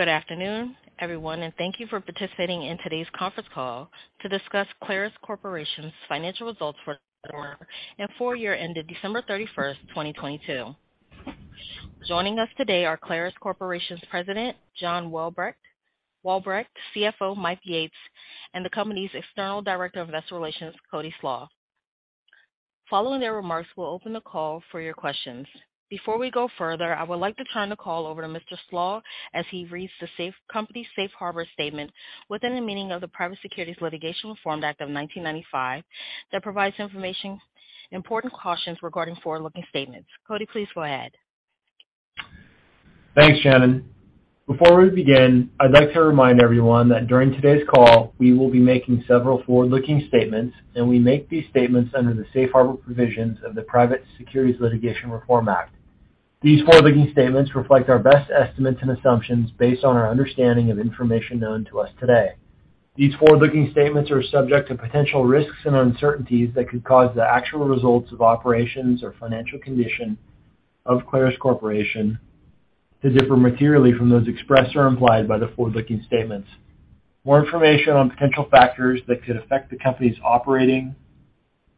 Good afternoon, everyone. Thank you for participating in today's conference call to discuss Clarus Corporation's financial results for the quarter and full year ended December 31st, 2022. Joining us today are Clarus Corporation's President John Walbrecht, CFO Mike Yates, the company's External Director of Investor Relations Cody Slach. Following their remarks, we'll open the call for your questions. Before we go further, I would like to turn the call over to Mr. Slach as he reads the company's Safe Harbor statement within the meaning of the Private Securities Litigation Reform Act of 1995 that provides important cautions regarding forward-looking statements. Cody, please go ahead. Thanks, Shannon. Before we begin, I'd like to remind everyone that during today's call, we will be making several forward-looking statements, and we make these statements under the Safe Harbor provisions of the Private Securities Litigation Reform Act. These forward-looking statements reflect our best estimates and assumptions based on our understanding of information known to us today. These forward-looking statements are subject to potential risks and uncertainties that could cause the actual results of operations or financial condition of Clarus Corporation to differ materially from those expressed or implied by the forward-looking statements. More information on potential factors that could affect the company's operating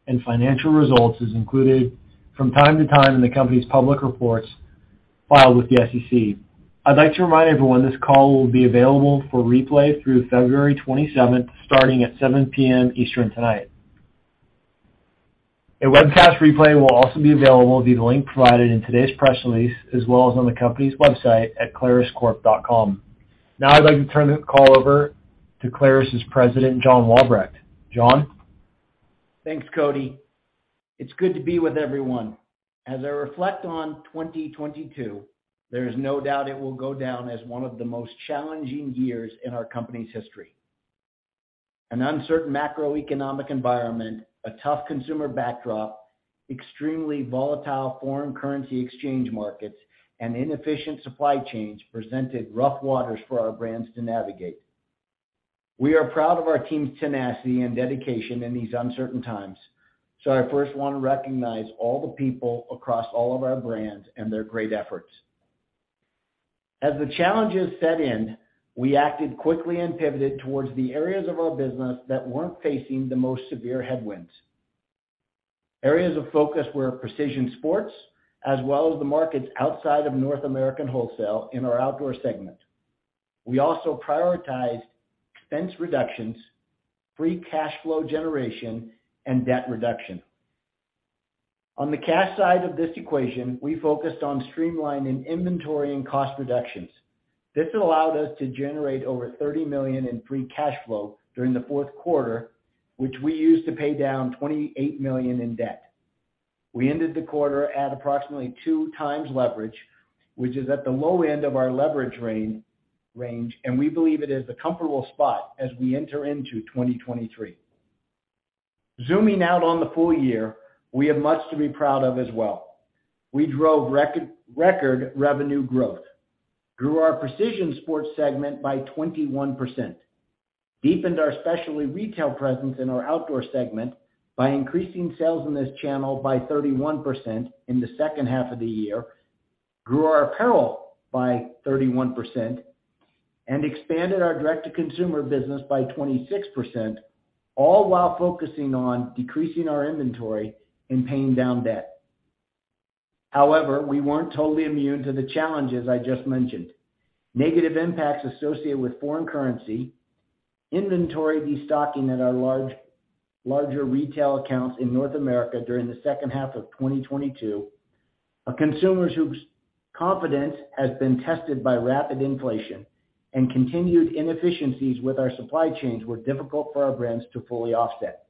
and financial results is included from time to time in the company's public reports filed with the SEC. I'd like to remind everyone this call will be available for replay through February 27th, starting at 7:00 P.M. Eastern tonight. A webcast replay will also be available via the link provided in today's press release, as well as on the company's website at claruscorp.com. Now, I'd like to turn the call over to Clarus's President, John Walbrecht. John? Thanks, Cody. It's good to be with everyone. As I reflect on 2022, there is no doubt it will go down as one of the most challenging years in our company's history. An uncertain macroeconomic environment, a tough consumer backdrop, extremely volatile foreign currency exchange markets, and inefficient supply chains presented rough waters for our brands to navigate. We are proud of our team's tenacity and dedication in these uncertain times, so I first wanna recognize all the people across all of our brands and their great efforts. As the challenges set in, we acted quickly and pivoted towards the areas of our business that weren't facing the most severe headwinds. Areas of focus were precision sports, as well as the markets outside of North American wholesale in our outdoor segment. We also prioritized expense reductions, free cash flow generation, and debt reduction. On the cash side of this equation, we focused on streamlining inventory and cost reductions. This allowed us to generate over $30 million in free cash flow during the fourth quarter, which we used to pay down $28 million in debt. We ended the quarter at approximately 2x leverage, which is at the low end of our leverage range, and we believe it is a comfortable spot as we enter into 2023. Zooming out on the full year, we have much to be proud of as well. We drove record revenue growth, grew our Precision Sports segment by 21%, deepened our specialty retail presence in our Outdoor segment by increasing sales in this channel by 31% in the second half of the year, grew our apparel by 31%, and expanded our direct-to-consumer business by 26%, all while focusing on decreasing our inventory and paying down debt. We weren't totally immune to the challenges I just mentioned. Negative impacts associated with foreign currency, inventory destocking at our larger retail accounts in North America during the second half of 2022, a consumers whose confidence has been tested by rapid inflation, and continued inefficiencies with our supply chains were difficult for our brands to fully offset.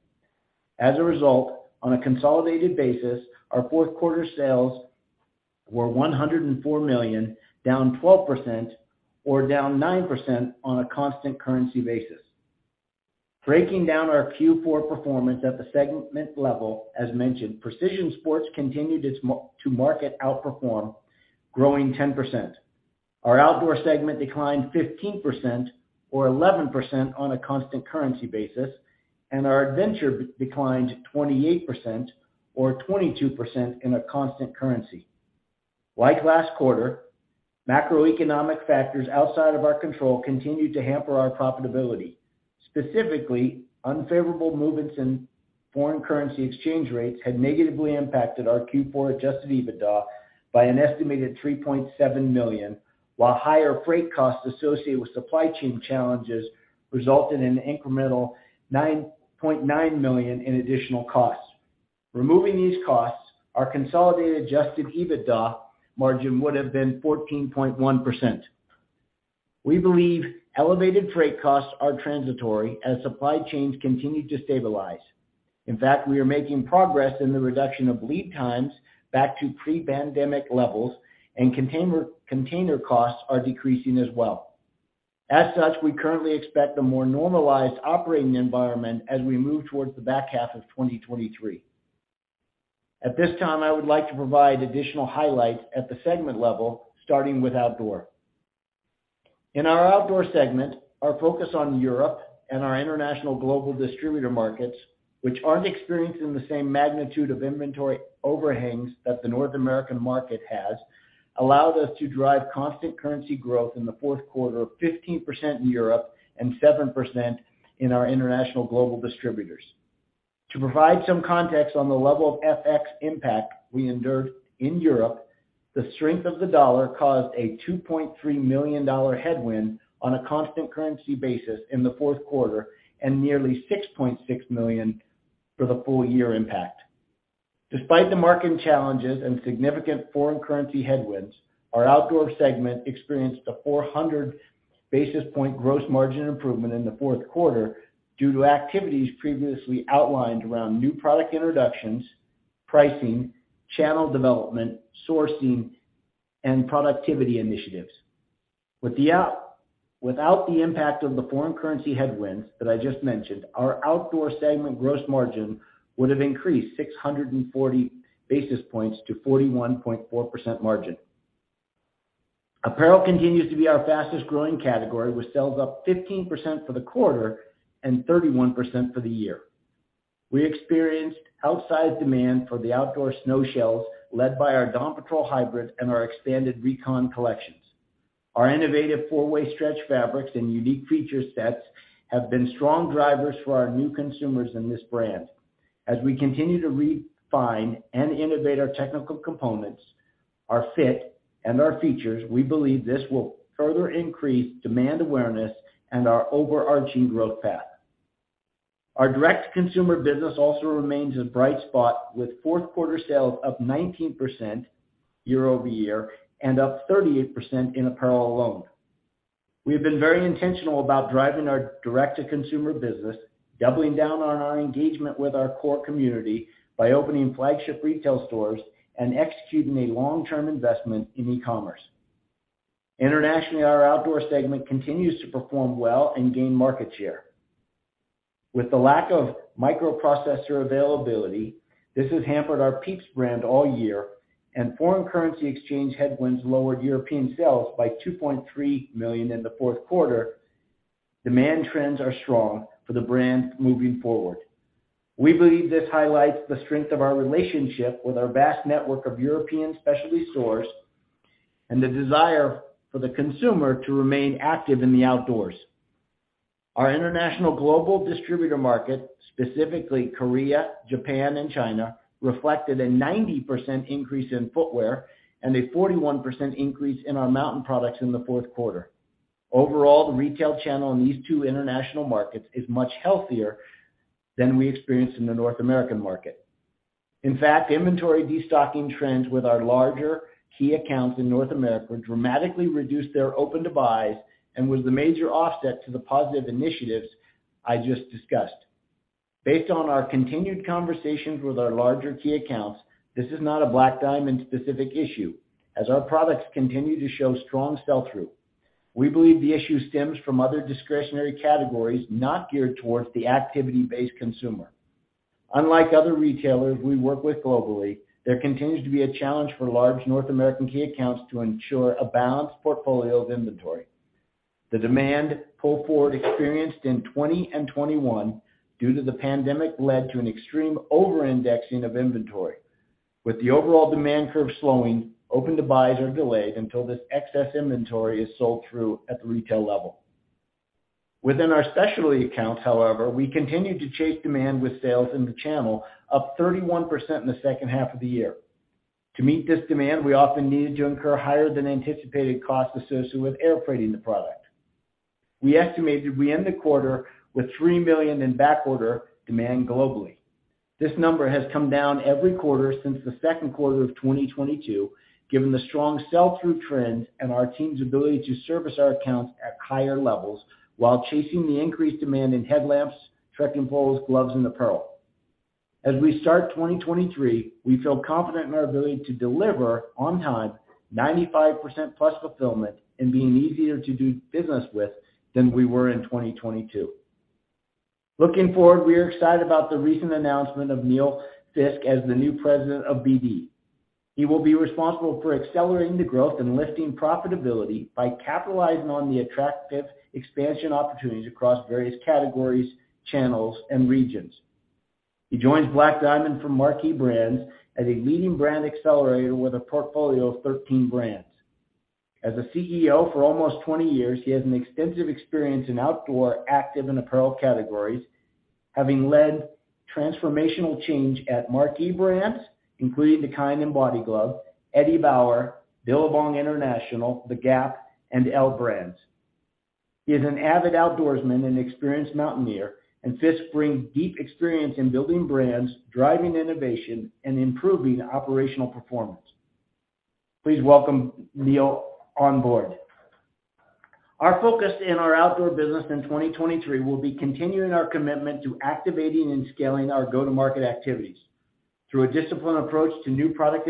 On a consolidated basis, our fourth quarter sales were $104 million, down 12% or down 9% on a constant currency basis. Breaking down our Q4 performance at the segment level, as mentioned, Precision Sports continued its to market outperform, growing 10%. Our Outdoor segment declined 15% or 11% on a constant currency basis, and our Adventure declined 28% or 22% in a constant currency. Like last quarter, macroeconomic factors outside of our control continued to hamper our profitability. Specifically, unfavorable movements in foreign currency exchange rates had negatively impacted our Q4 Adjusted EBITDA by an estimated $3.7 million, while higher freight costs associated with supply chain challenges resulted in incremental $9.9 million in additional costs. Removing these costs, our consolidated Adjusted EBITDA margin would have been 14.1%. We believe elevated freight costs are transitory as supply chains continue to stabilize. In fact, we are making progress in the reduction of lead times back to pre-pandemic levels, and container costs are decreasing as well. As such, we currently expect a more normalized operating environment as we move towards the back half of 2023. At this time, I would like to provide additional highlights at the segment level, starting with Outdoor. In our Outdoor segment, our focus on Europe and our international global distributor markets, which aren't experiencing the same magnitude of inventory overhangs that the North American market has, allowed us to drive constant currency growth in the fourth quarter of 15% in Europe and 7% in our international global distributors. To provide some context on the level of FX impact we endured in Europe, the strength of the dollar caused a $2.3 million headwind on a constant currency basis in the fourth quarter and nearly $6.6 million for the full year impact. Despite the market challenges and significant foreign currency headwinds, our outdoor segment experienced a 400 basis point gross margin improvement in the fourth quarter due to activities previously outlined around new product introductions, pricing, channel development, sourcing, and productivity initiatives. Without the impact of the foreign currency headwinds that I just mentioned, our outdoor segment gross margin would have increased 640 basis points to 41.4% margin. Apparel continues to be our fastest-growing category, with sales up 15% for the quarter and 31% for the year. We experienced outsized demand for the outdoor snow shells led by our Dawn Patrol hybrid and our expanded Recon collections. Our innovative four-way stretch fabrics and unique feature sets have been strong drivers for our new consumers in this brand. As we continue to refine and innovate our technical components, our fit, and our features, we believe this will further increase demand awareness and our overarching growth path. Our direct-to-consumer business also remains a bright spot, with fourth-quarter sales up 19% year-over-year and up 38% in apparel alone. We have been very intentional about driving our direct-to-consumer business, doubling down on our engagement with our core community by opening flagship retail stores and executing a long-term investment in e-commerce. Internationally, our outdoor segment continues to perform well and gain market share. With the lack of microprocessor availability, this has hampered our PIEPS brand all year. Foreign currency exchange headwinds lowered European sales by 2.3 million in the fourth quarter. Demand trends are strong for the brand moving forward. We believe this highlights the strength of our relationship with our vast network of European specialty stores and the desire for the consumer to remain active in the outdoors. Our international global distributor market, specifically Korea, Japan, and China, reflected a 90% increase in footwear and a 41% increase in our mountain products in the fourth quarter. Overall, the retail channel in these two international markets is much healthier than we experienced in the North American market. In fact, inventory destocking trends with our larger key accounts in North America dramatically reduced their open-to-buy and was the major offset to the positive initiatives I just discussed. Based on our continued conversations with our larger key accounts, this is not a Black Diamond specific issue, as our products continue to show strong sell-through. We believe the issue stems from other discretionary categories not geared towards the activity-based consumer. Unlike other retailers we work with globally, there continues to be a challenge for large North American key accounts to ensure a balanced portfolio of inventory. The demand pull forward experienced in 2020 and 2021 due to the pandemic led to an extreme over-indexing of inventory. With the overall demand curve slowing, open-to-buys are delayed until this excess inventory is sold through at the retail level. Within our specialty accounts, however, we continue to chase demand with sales in the channel up 31% in the second half of the year. To meet this demand, we often needed to incur higher than anticipated costs associated with air freighting the product. We estimated we end the quarter with $3 million in backorder demand globally. This number has come down every quarter since the second quarter of 2022, given the strong sell-through trends and our team's ability to service our accounts at higher levels while chasing the increased demand in headlamps, trekking poles, gloves, and apparel. We start 2023, we feel confident in our ability to deliver on time 95%+ fulfillment and being easier to do business with than we were in 2022. Looking forward, we are excited about the recent announcement of Neil Fiske as the new President of BD. He will be responsible for accelerating the growth and lifting profitability by capitalizing on the attractive expansion opportunities across various categories, channels, and regions. He joins Black Diamond from Marquee Brands as a leading brand accelerator with a portfolio of 13 brands. As a CEO for almost 20 years, he has an extensive experience in outdoor, active, and apparel categories, having led transformational change at Marquee Brands, including the Kind and Body Glove, Eddie Bauer, Billabong International, The Gap, and L Brands. Fisk brings deep experience in building brands, driving innovation, and improving operational performance. Please welcome Neil on board. Our focus in our outdoor business in 2023 will be continuing our commitment to activating and scaling our go-to-market activities. Through a disciplined approach to new product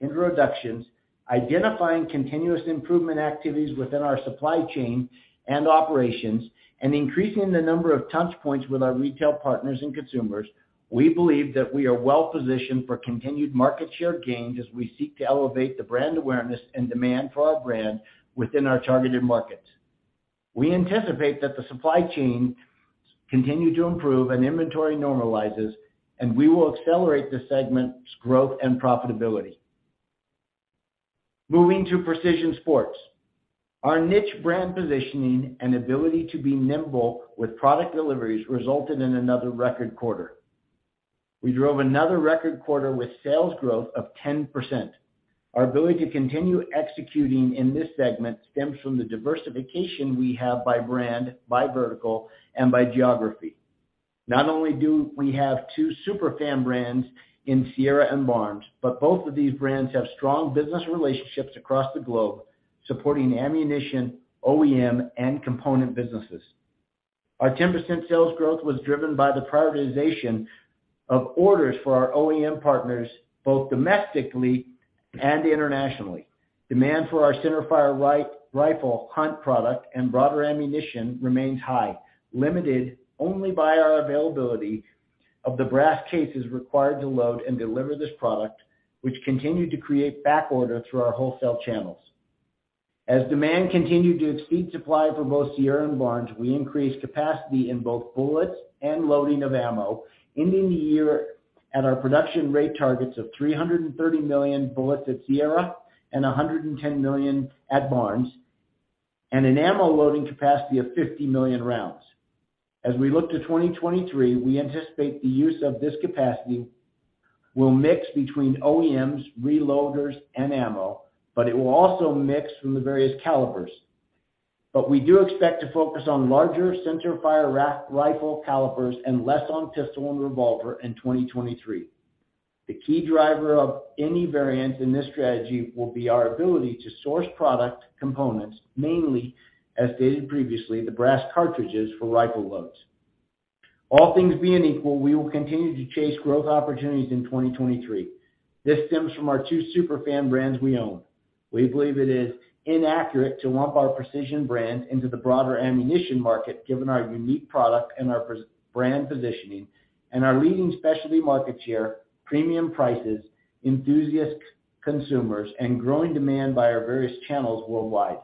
introductions, identifying continuous improvement activities within our supply chain and operations, and increasing the number of touch points with our retail partners and consumers, we believe that we are well-positioned for continued market share gains as we seek to elevate the brand awareness and demand for our brand within our targeted markets. We anticipate that the supply chain continue to improve and inventory normalizes, and we will accelerate this segment's growth and profitability. Moving to Precision Sports. Our niche brand positioning and ability to be nimble with product deliveries resulted in another record quarter. We drove another record quarter with sales growth of 10%. Our ability to continue executing in this segment stems from the diversification we have by brand, by vertical, and by geography. Not only do we have two super fan brands in Sierra and Barnes. Both of these brands have strong business relationships across the globe supporting ammunition, OEM, and component businesses. Our 10% sales growth was driven by the prioritization of orders for our OEM partners, both domestically and internationally. Demand for our center fire rifle hunt product and broader ammunition remains high, limited only by our availability of the brass cases required to load and deliver this product, which continued to create back order through our wholesale channels. Demand continued to exceed supply for both Sierra and Barnes, we increased capacity in both bullets and loading of ammo, ending the year at our production rate targets of 330 million bullets at Sierra and 110 million at Barnes, and an ammo loading capacity of 50 million rounds. As we look to 2023, we anticipate the use of this capacity will mix between OEMs, reloaders, and ammo, but it will also mix from the various calibers. We do expect to focus on larger centerfire rifle calibers and less on pistol and revolver in 2023. The key driver of any variance in this strategy will be our ability to source product components, mainly, as stated previously, the brass cartridges for rifle loads. All things being equal, we will continue to chase growth opportunities in 2023. This stems from our two super fan brands we own. We believe it is inaccurate to lump our precision brand into the broader ammunition market, given our unique product and our brand positioning and our leading specialty market share, premium prices, enthusiast consumers, and growing demand by our various channels worldwide.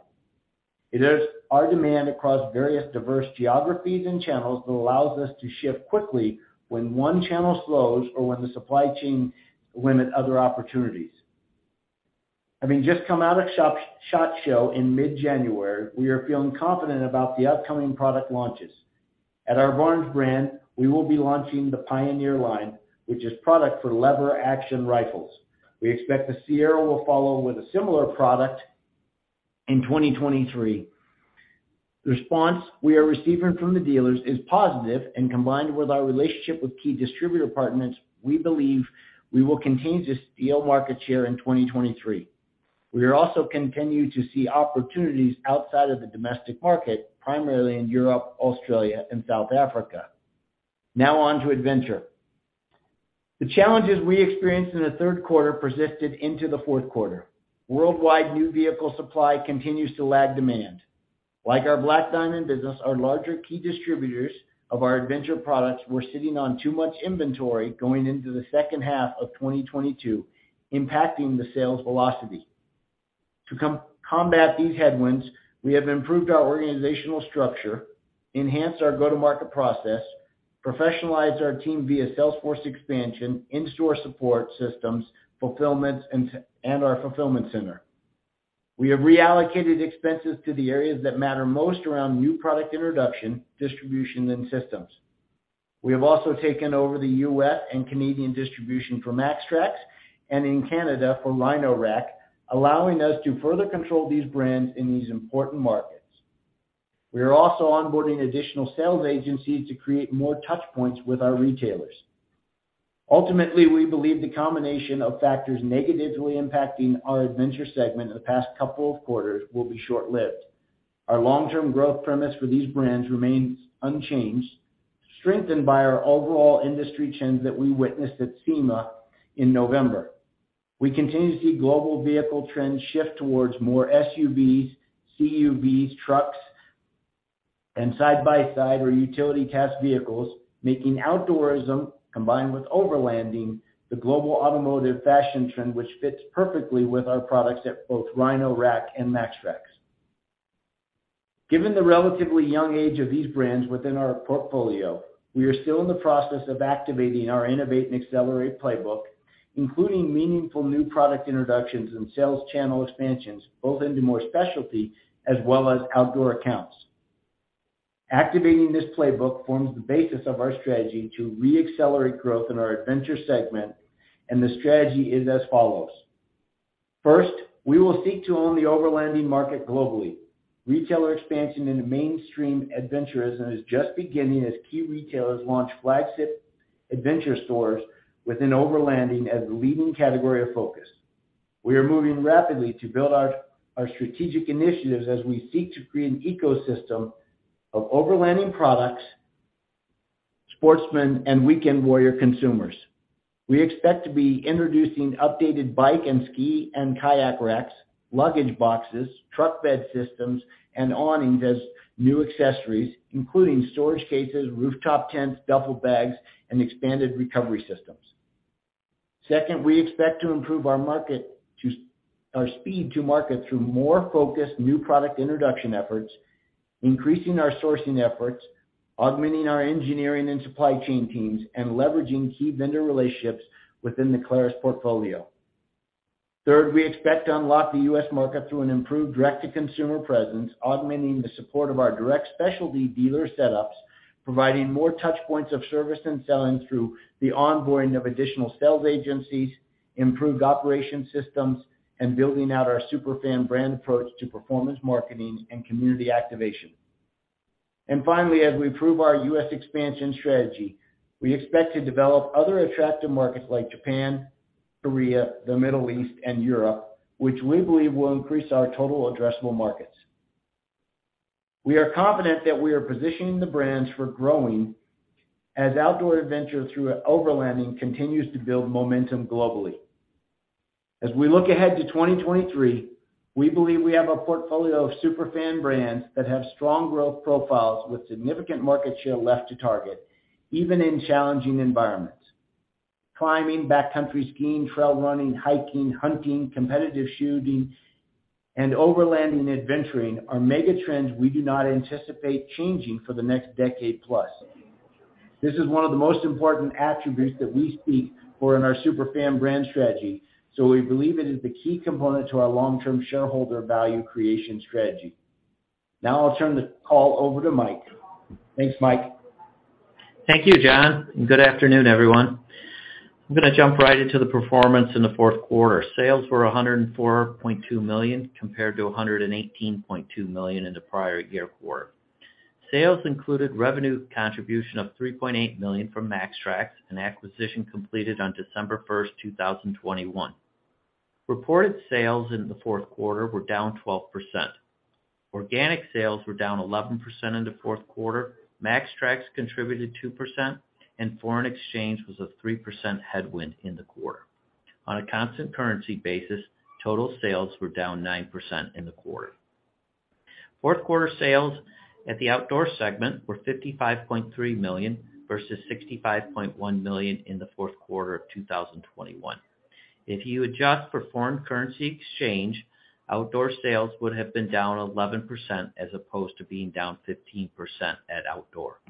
It is our demand across various diverse geographies and channels that allows us to shift quickly when one channel slows or when the supply chain limit other opportunities. Having just come out of SHOT Show in mid-January, we are feeling confident about the upcoming product launches. At our Barnes brand, we will be launching the Pioneer line, which is product for lever-action rifles. We expect that Sierra will follow with a similar product in 2023. The response we are receiving from the dealers is positive, and combined with our relationship with key distributor partners, we believe we will continue to steal market share in 2023. We will also continue to see opportunities outside of the domestic market, primarily in Europe, Australia, and South Africa. Now on to Adventure. The challenges we experienced in the third quarter persisted into the fourth quarter. Worldwide new vehicle supply continues to lag demand. Like our Black Diamond business, our larger key distributors of our Adventure products were sitting on too much inventory going into the second half of 2022, impacting the sales velocity. To combat these headwinds, we have improved our organizational structure, enhanced our go-to-market process, professionalized our team via salesforce expansion, in-store support systems, fulfillments, and our fulfillment center. We have reallocated expenses to the areas that matter most around new product introduction, distribution, and systems. We have also taken over the U.S. and Canadian distribution for MAXTRAX and in Canada for Rhino-Rack, allowing us to further control these brands in these important markets. We are also onboarding additional sales agencies to create more touch points with our retailers. Ultimately, we believe the combination of factors negatively impacting our Adventure segment in the past couple of quarters will be short-lived. Our long-term growth premise for these brands remains unchanged, strengthened by our overall industry trends that we witnessed at SEMA in November. We continue to see global vehicle trends shift towards more SUVs, CUVs, trucks, and side-by-side or utility cast vehicles, making outdoorism combined with overlanding the global automotive fashion trend, which fits perfectly with our products at both Rhino-Rack and MAXTRAX. Given the relatively young age of these brands within our portfolio, we are still in the process of activating our innovate and accelerate playbook, including meaningful new product introductions and sales channel expansions, both into more specialty as well as outdoor accounts. Activating this playbook forms the basis of our strategy to re-accelerate growth in our Adventure segment. The strategy is as follows. First, we will seek to own the overlanding market globally. Retailer expansion into mainstream adventurism is just beginning as key retailers launch flagship adventure stores with an overlanding as the leading category of focus. We are moving rapidly to build our strategic initiatives as we seek to create an ecosystem of overlanding products, sportsmen, and weekend warrior consumers. We expect to be introducing updated bike and ski and kayak racks, luggage boxes, truck bed systems, and awnings as new accessories, including storage cases, rooftop tents, duffel bags, and expanded recovery systems. Second, we expect to improve our speed to market through more focused new product introduction efforts, increasing our sourcing efforts, augmenting our engineering and supply chain teams, and leveraging key vendor relationships within the Clarus portfolio. Third, we expect to unlock the U.S. market through an improved direct-to-consumer presence, augmenting the support of our direct specialty dealer setups, providing more touch points of service and selling through the onboarding of additional sales agencies, improved operation systems, and building out our super fan brand approach to performance marketing and community activation. Finally, as we prove our U.S. expansion strategy, we expect to develop other attractive markets like Japan, Korea, the Middle East, and Europe, which we believe will increase our total addressable markets. We are confident that we are positioning the brands for growing as outdoor adventure through overlanding continues to build momentum globally. As we look ahead to 2023, we believe we have a portfolio of super fan brands that have strong growth profiles with significant market share left to target, even in challenging environments. Climbing, backcountry skiing, trail running, hiking, hunting, competitive shooting, and overlanding adventuring are mega trends we do not anticipate changing for the next decade plus. This is one of the most important attributes that we seek for in our super fan brand strategy. We believe it is the key component to our long-term shareholder value creation strategy. Now I'll turn the call over to Mike. Thanks, Mike. Thank you, John. Good afternoon, everyone. I'm gonna jump right into the performance in the fourth quarter. Sales were $104.2 million, compared to $118.2 million in the prior year quarter. Sales included revenue contribution of $3.8 million from MAXTRAX, an acquisition completed on December 1st, 2021. Reported sales in the fourth quarter were down 12%. Organic sales were down 11% in the fourth quarter. MAXTRAX contributed 2%, and foreign exchange was a 3% headwind in the quarter. On a constant currency basis, total sales were down 9% in the quarter. Fourth quarter sales at the outdoor segment were $55.3 million versus $65.1 million in the fourth quarter of 2021. If you adjust constant currency exchange, Outdoor sales would have been down 11% as opposed to being down 15% at Outdoor.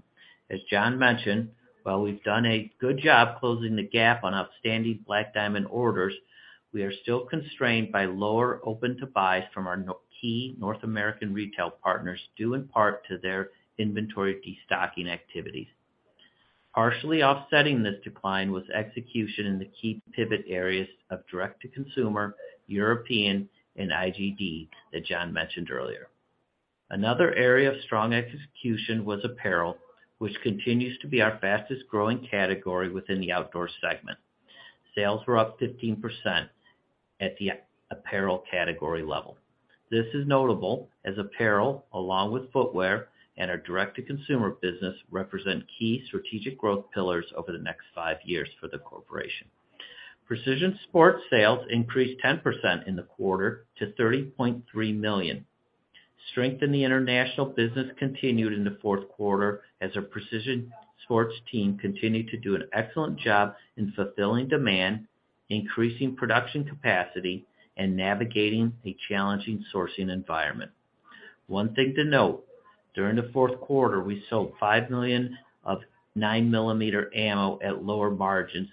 As John mentioned, while we've done a good job closing the gap on outstanding Black Diamond orders, we are still constrained by lower open-to-buys from our N-key North American retail partners, due in part to their inventory destocking activities. Partially offsetting this decline was execution in the key pivot areas of direct-to-consumer, European, and IGD that John mentioned earlier. Another area of strong execution was apparel, which continues to be our fastest-growing category within the Outdoor segment. Sales were up 15% at the apparel category level. This is notable as apparel, along with footwear and our direct-to-consumer business, represent key strategic growth pillars over the next five years for the corporation. Precision Sport sales increased 10% in the quarter to $30.3 million. Strength in the international business continued in the fourth quarter as our Precision Sports team continued to do an excellent job in fulfilling demand, increasing production capacity, and navigating a challenging sourcing environment. One thing to note, during the fourth quarter, we sold $5 million of 9mm ammo at lower margins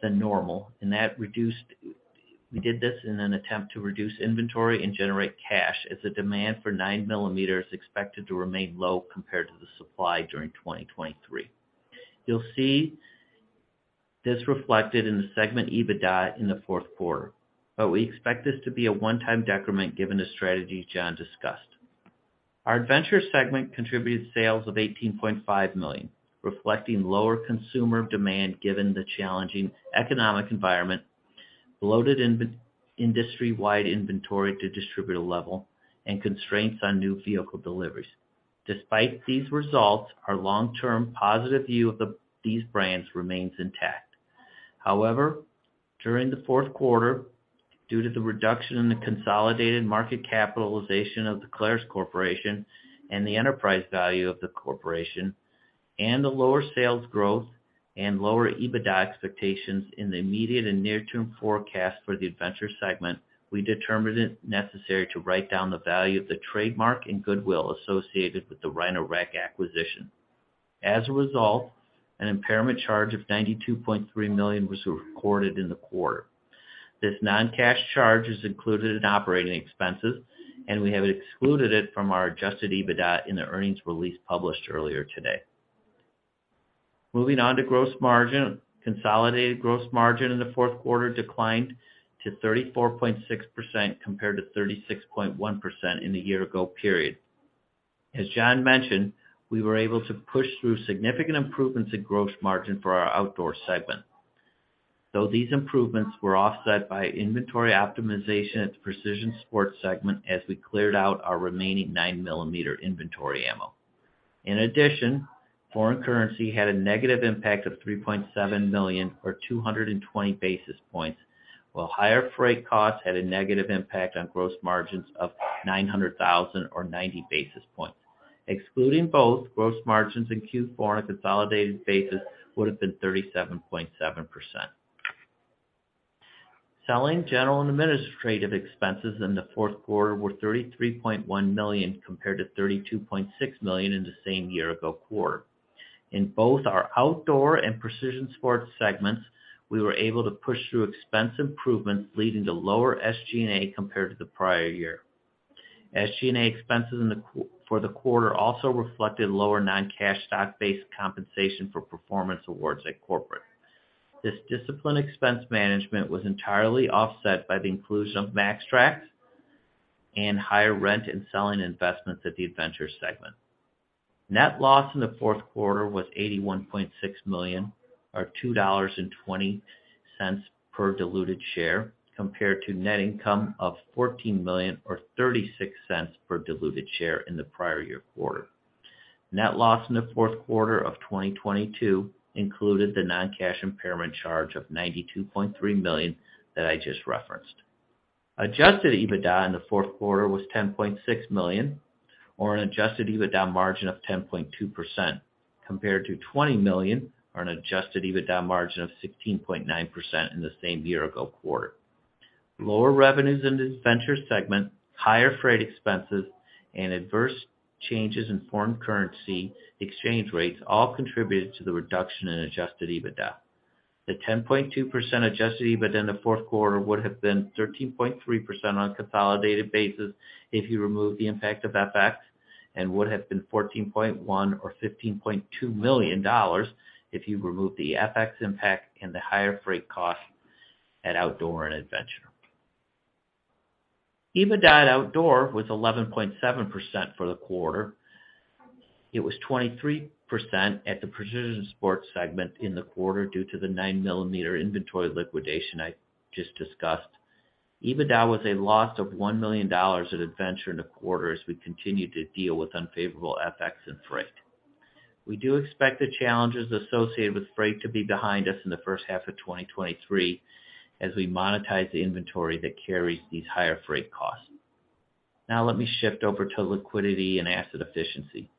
than normal. We did this in an attempt to reduce inventory and generate cash, as the demand for 9mm is expected to remain low compared to the supply during 2023. You'll see this reflected in the segment EBITDA in the fourth quarter, but we expect this to be a one-time decrement given the strategy John discussed. Our adventure segment contributed sales of $18.5 million, reflecting lower consumer demand given the challenging economic environment, bloated industry-wide inventory to distributor level, and constraints on new vehicle deliveries. Despite these results, our long-term positive view of these brands remains intact. During the fourth quarter, due to the reduction in the consolidated market capitalization of the Clarus Corporation and the enterprise value of the corporation, and the lower sales growth and lower EBITDA expectations in the immediate and near-term forecast for the adventure segment, we determined it necessary to write down the value of the trademark and goodwill associated with the Rhino-Rack acquisition. An impairment charge of $92.3 million was recorded in the quarter. This non-cash charge is included in operating expenses, and we have excluded it from our Adjusted EBITDA in the earnings release published earlier today. Moving on to gross margin. Consolidated gross margin in the fourth quarter declined to 34.6% compared to 36.1% in the year ago period. As John mentioned, we were able to push through significant improvements in gross margin for our outdoor segment. These improvements were offset by inventory optimization at the Precision Sports segment as we cleared out our remaining 9mm inventory ammo. Foreign currency had a negative impact of $3.7 million or 220 basis points. Well, higher freight costs had a negative impact on gross margins of $900,000 or 90 basis points. Excluding both, gross margins in Q4 on a consolidated basis would have been 37.7%. SG&A in the fourth quarter were $33.1 million compared to $32.6 million in the same year ago quarter. In both our outdoor and Precision Sports segments, we were able to push through expense improvements, leading to lower SG&A compared to the prior year. SG&A expenses for the quarter also reflected lower non-cash stock-based compensation for performance awards at corporate. This disciplined expense management was entirely offset by the inclusion of MAXTRAX and higher rent and selling investments at the adventure segment. Net loss in the fourth quarter was $81.6 million, or $2.20 per diluted share, compared to net income of $14 million or $0.36 per diluted share in the prior year quarter. Net loss in the fourth quarter of 2022 included the non-cash impairment charge of $92.3 million that I just referenced. Adjusted EBITDA in the fourth quarter was $10.6 million or an Adjusted EBITDA margin of 10.2% compared to $20 million or an Adjusted EBITDA margin of 16.9% in the same year ago quarter. Lower revenues in the Adventure segment, higher freight expenses, and adverse changes in foreign currency exchange rates all contributed to the reduction in Adjusted EBITDA. The 10.2% Adjusted EBITDA in the fourth quarter would have been 13.3% on a consolidated basis if you remove the impact of FX and would have been $14.1 million or $15.2 million if you remove the FX impact and the higher freight cost at Outdoor and Adventure. EBITDA at Outdoor was 11.7% for the quarter. It was 23% at the Precision Sports segment in the quarter due to the 9mm inventory liquidation I just discussed. EBITDA was a loss of $1 million at Adventure in the quarter as we continue to deal with unfavorable FX and freight. We do expect the challenges associated with freight to be behind us in the first half of 2023 as we monetize the inventory that carries these higher freight costs. Let me shift over to liquidity and asset efficiency.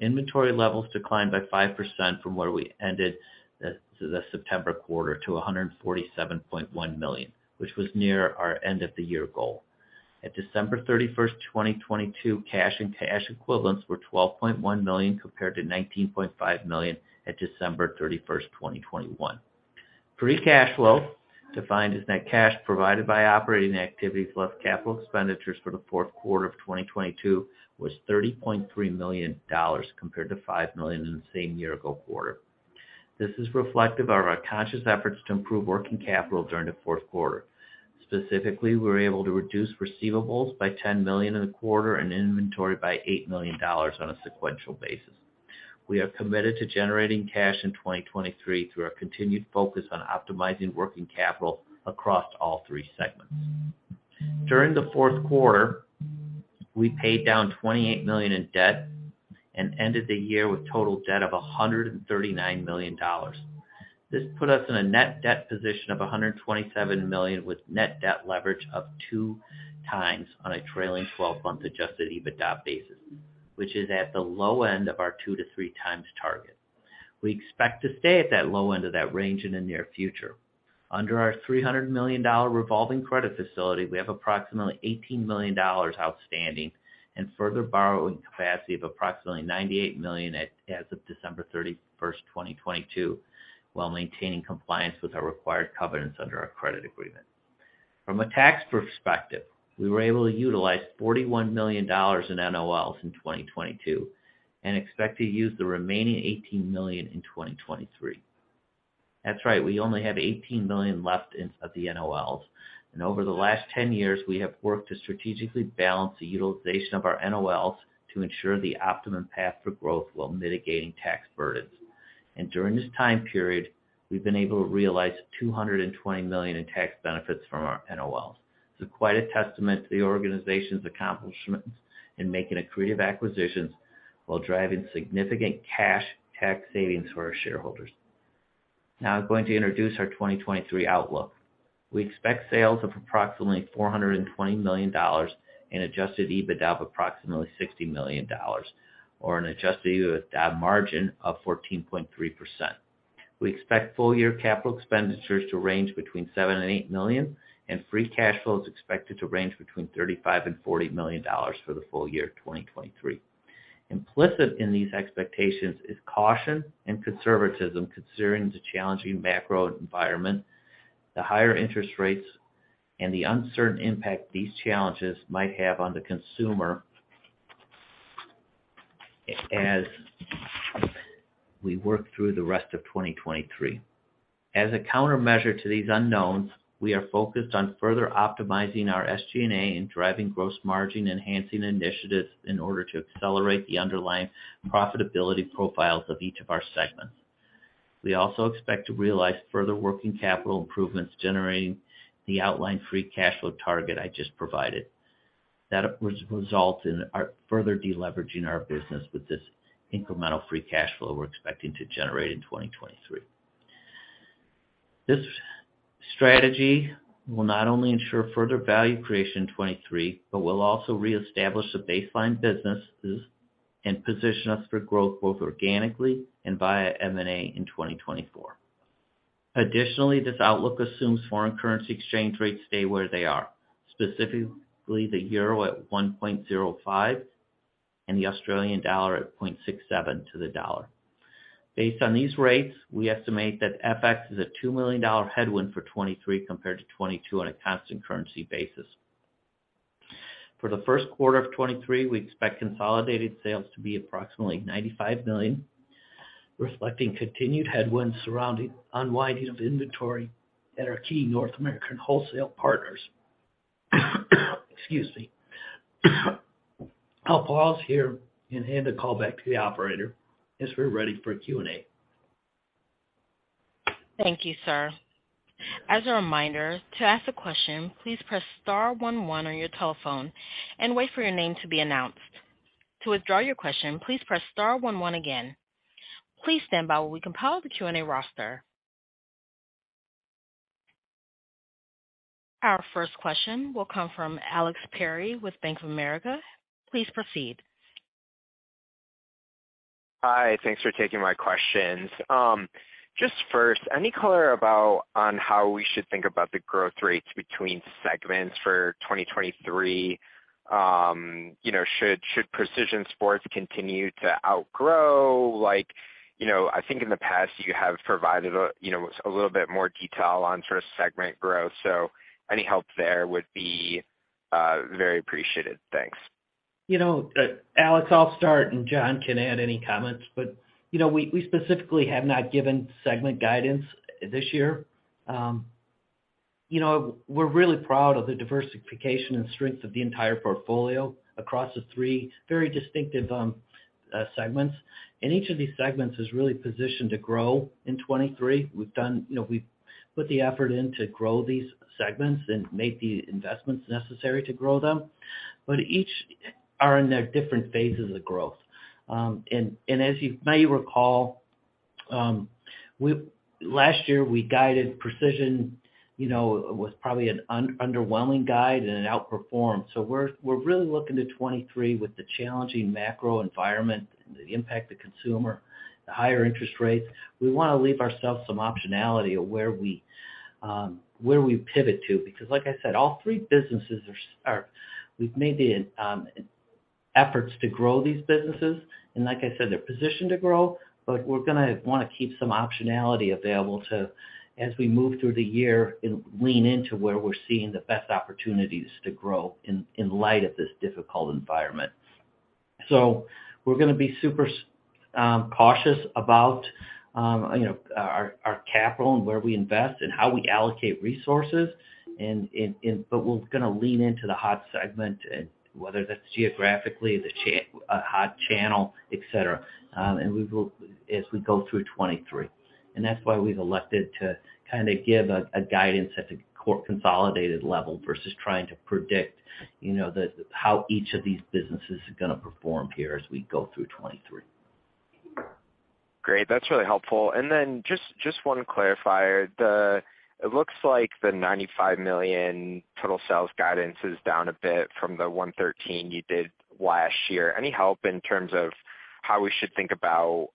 Inventory levels declined by 5% from where we ended the September quarter to $147.1 million, which was near our end of the year goal. At December 31st, 2022, cash and cash equivalents were $12.1 million compared to $19.5 million at December 31, 2021. Free cash flow, defined as net cash provided by operating activities plus capital expenditures for the fourth quarter of 2022, was $30.3 million compared to $5 million in the same year-ago quarter. This is reflective of our conscious efforts to improve working capital during the fourth quarter. Specifically, we were able to reduce receivables by $10 million in the quarter and inventory by $8 million on a sequential basis. We are committed to generating cash in 2023 through our continued focus on optimizing working capital across all three segments. During the fourth quarter, we paid down $28 million in debt and ended the year with total debt of $139 million. This put us in a net debt position of $127 million, with net debt leverage of 2x on a trailing twelve-month Adjusted EBITDA basis, which is at the low end of our 2x-3x target. We expect to stay at that low end of that range in the near future. Under our $300 million revolving credit facility, we have approximately $18 million outstanding and further borrowing capacity of approximately $98 million as of December 31st, 2022, while maintaining compliance with our required covenants under our credit agreement. From a tax perspective, we were able to utilize $41 million in NOLs in 2022 and expect to use the remaining $18 million in 2023. That's right, we only have $18 million left of the NOLs. Over the last 10 years, we have worked to strategically balance the utilization of our NOLs to ensure the optimum path for growth while mitigating tax burdens. During this time period, we've been able to realize $220 million in tax benefits from our NOLs. It's quite a testament to the organization's accomplishments in making accretive acquisitions while driving significant cash tax savings for our shareholders. I'm going to introduce our 2023 outlook. We expect sales of approximately $420 million and Adjusted EBITDA of approximately $60 million or an Adjusted EBITDA margin of 14.3%. We expect full year capital expenditures to range between $7 million-$8 million, and free cash flow is expected to range between $35 million-$40 million for the full year of 2023. Implicit in these expectations is caution and conservatism considering the challenging macro environment, the higher interest rates, and the uncertain impact these challenges might have on the consumer as we work through the rest of 2023. As a countermeasure to these unknowns, we are focused on further optimizing our SG&A and driving gross margin enhancing initiatives in order to accelerate the underlying profitability profiles of each of our segments. We also expect to realize further working capital improvements, generating the outlined free cash flow target I just provided. That was result in our further deleveraging our business with this incremental free cash flow we're expecting to generate in 2023. This strategy will not only ensure further value creation in 2023, but will also reestablish the baseline businesses and position us for growth both organically and via M&A in 2024. Additionally, this outlook assumes foreign currency exchange rates stay where they are, specifically the euro at 1.05 and the Australian dollar at 0.67 to the dollar. Based on these rates, we estimate that FX is a $2 million headwind for 2023 compared to 2022 on a constant currency basis. For the first quarter of 2023, we expect consolidated sales to be approximately $95 million, reflecting continued headwinds surrounding unwinding of inventory at our key North American wholesale partners. Excuse me. I'll pause here and hand the call back to the operator as we're ready for Q&A. Thank you, sir. As a reminder, to ask a question, please press star one one on your telephone and wait for your name to be announced. To withdraw your question, please press star one one again. Please stand by while we compile the Q&A roster. Our first question will come from Alex Perry with Bank of America. Please proceed. Hi. Thanks for taking my questions. Just first, any color about on how we should think about the growth rates between segments for 2023. You know, should Precision Sports continue to outgrow? Like, you know, I think in the past you have provided a, you know, a little bit more detail on sort of segment growth. Any help there would be very appreciated. Thanks. You know, Alex, I'll start. John can add any comments. You know, we specifically have not given segment guidance this year. You know, we're really proud of the diversification and strength of the entire portfolio across the three very distinctive segments. Each of these segments is really positioned to grow in 23. We've put the effort in to grow these segments and make the investments necessary to grow them. Each are in their different phases of growth. As you may recall, last year we guided Precision, you know, was probably an underwhelming guide. It outperformed. We're really looking to 23 with the challenging macro environment, the impact to consumer, the higher interest rates. We wanna leave ourselves some optionality of where we, where we pivot to, because like I said, all three businesses are, we've made the efforts to grow these businesses, and like I said, they're positioned to grow. We're gonna wanna keep some optionality available to, as we move through the year and lean into where we're seeing the best opportunities to grow in light of this difficult environment. We're gonna be super cautious about, you know, our capital and where we invest and how we allocate resources and. We're gonna lean into the hot segment and whether that's geographically, the hot channel, et cetera, and we will as we go through 23. That's why we've elected to kinda give a guidance at the core consolidated level versus trying to predict, you know, how each of these businesses are gonna perform here as we go through 2023. Great. That's really helpful. Just one clarifier. It looks like the $95 million total sales guidance is down a bit from the $113 you did last year. Any help in terms of how we should think about,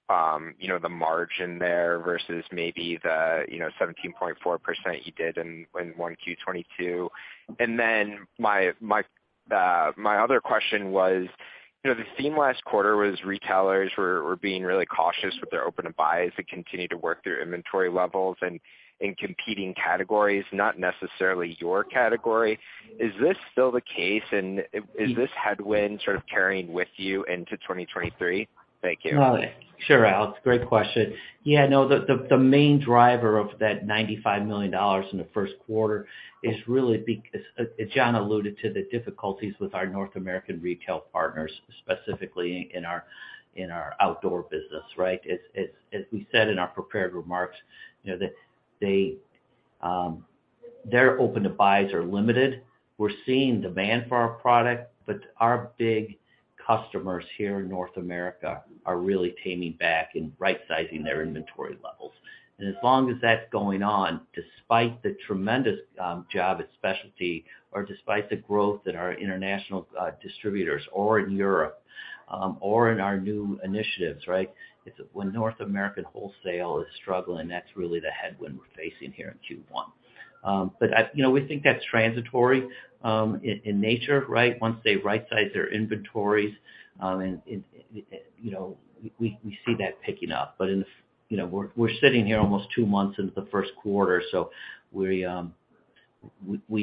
you know, the margin there versus maybe the, you know, 17.4% you did in 1Q 2022? My other question was, you know, the theme last quarter was retailers were being really cautious with their open-to-buy. They continue to work through inventory levels and in competing categories, not necessarily your category. Is this still the case, and is this headwind sort of carrying with you into 2023? Thank you. Sure, Alex. Great question. Yeah, no, the main driver of that $95 million in the first quarter is really as John Walbrecht alluded to the difficulties with our North American retail partners, specifically in our outdoor business, right? As we said in our prepared remarks, you know, that they, their open-to-buy are limited. We're seeing demand for our product, but our big customers here in North America are really taming back and rightsizing their inventory levels. As long as that's going on, despite the tremendous job at specialty or despite the growth in our international distributors or in Europe, or in our new initiatives, right? When North American wholesale is struggling, that's really the headwind we're facing here in Q1. You know, we think that's transitory in nature, right? Once they rightsize their inventories, and, you know, we see that picking up. In, you know, we're sitting here almost two months into the 1st quarter, so we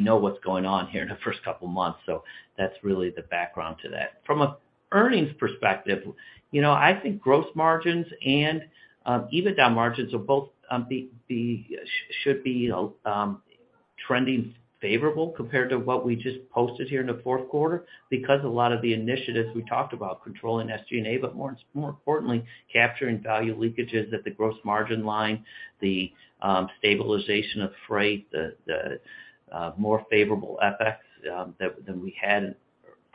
know what's going on here in the first couple months. That's really the background to that. From a earnings perspective, you know, I think gross margins and EBITDA margins are both should be trending favorable compared to what we just posted here in the 4th quarter because a lot of the initiatives we talked about, controlling SG&A, but more importantly, capturing value leakages at the gross margin line, the stabilization of freight, the more favorable FX than we had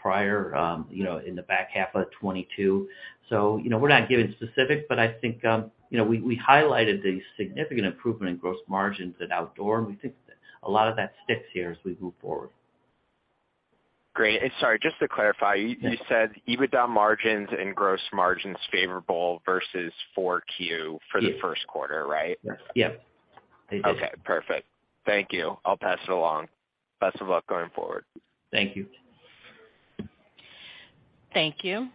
prior, you know, in the back half of 2022. So you know, we're not giving specifics, but I think, you know, we highlighted the significant improvement in gross margins at Outdoor, and we think a lot of that sticks here as we move forward. Great. Sorry, just to clarify. You said EBITDA margins and gross margins favorable versus fourth quarter. Yes for the first quarter, right? Yes. Okay, perfect. Thank you. I'll pass it along. Best of luck going forward. Thank you. Thank you.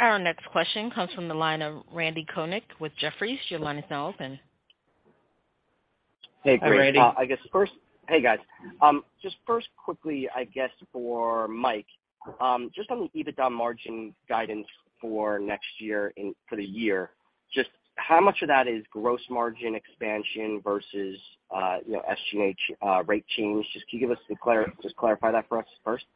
Our next question comes from the line of Randy Konik with Jefferies. Your line is now open. Hey, Randy. Hey, guys. Just first quickly, I guess for Mike, just on the EBITDA margin guidance for next year for the year, just how much of that is gross margin expansion versus, you know, SG&A rate change? Can you clarify that for us first?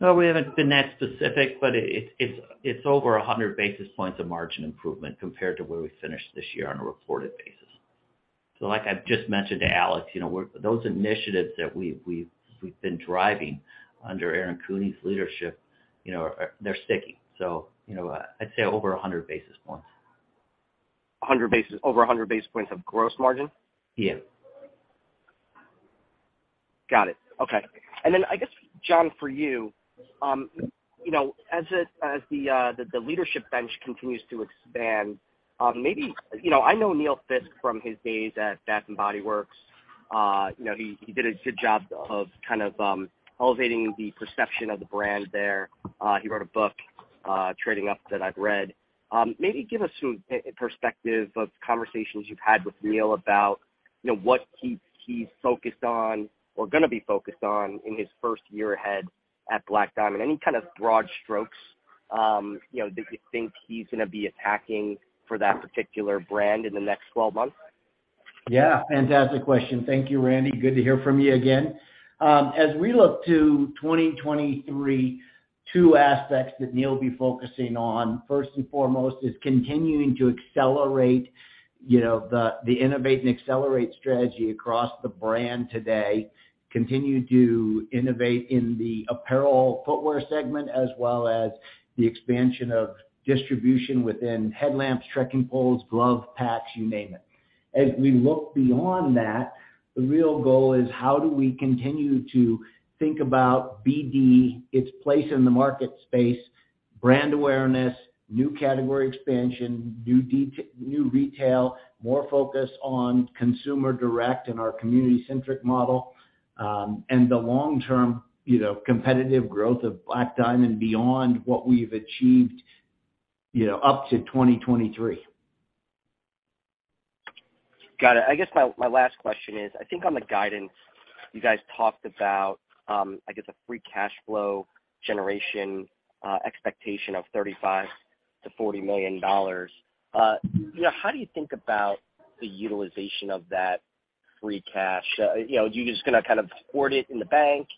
No, we haven't been that specific, but it's over 100 basis points of margin improvement compared to where we finished this year on a reported basis. Like I've just mentioned to Alex, you know, those initiatives that we've been driving under Aaron Kuehne's leadership, you know, they're sticking. You know, I'd say over 100 basis points. Over 100 basis points of gross margin? Yeah. Got it. Okay. I guess, John, for you know, as the, as the leadership bench continues to expand, maybe. You know, I know Neil Fiske from his days at Bath & Body Works. You know, he did a good job of kind of, elevating the perception of the brand there. He wrote a book, Trading Up, that I've read. Maybe give us some perspective of conversations you've had with Neil about, you know, what he's focused on or gonna be focused on in his first year ahead at Black Diamond, any kind of broad strokes, you know, that you think he's gonna be attacking for that particular brand in the next 12 months? Yeah, fantastic question. Thank you, Randy. Good to hear from you again. As we look to 2023, two aspects that Neil will be focusing on, first and foremost is continuing to accelerate, you know, the innovate and accelerate strategy across the brand today, continue to innovate in the apparel footwear segment, as well as the expansion of distribution within headlamps, trekking poles, glove packs, you name it. As we look beyond that, the real goal is how do we continue to think about BD, its place in the market space, brand awareness, new category expansion, new retail, more focus on consumer direct and our community-centric model, and the long-term, you know, competitive growth of Black Diamond beyond what we've achieved, you know, up to 2023. Got it. I guess my last question is, I think on the guidance you guys talked about, I guess a free cash flow generation, expectation of $35 million-$40 million. You know, how do you think about the utilization of that free cash? You know, are you just gonna kind of hoard it in the bank,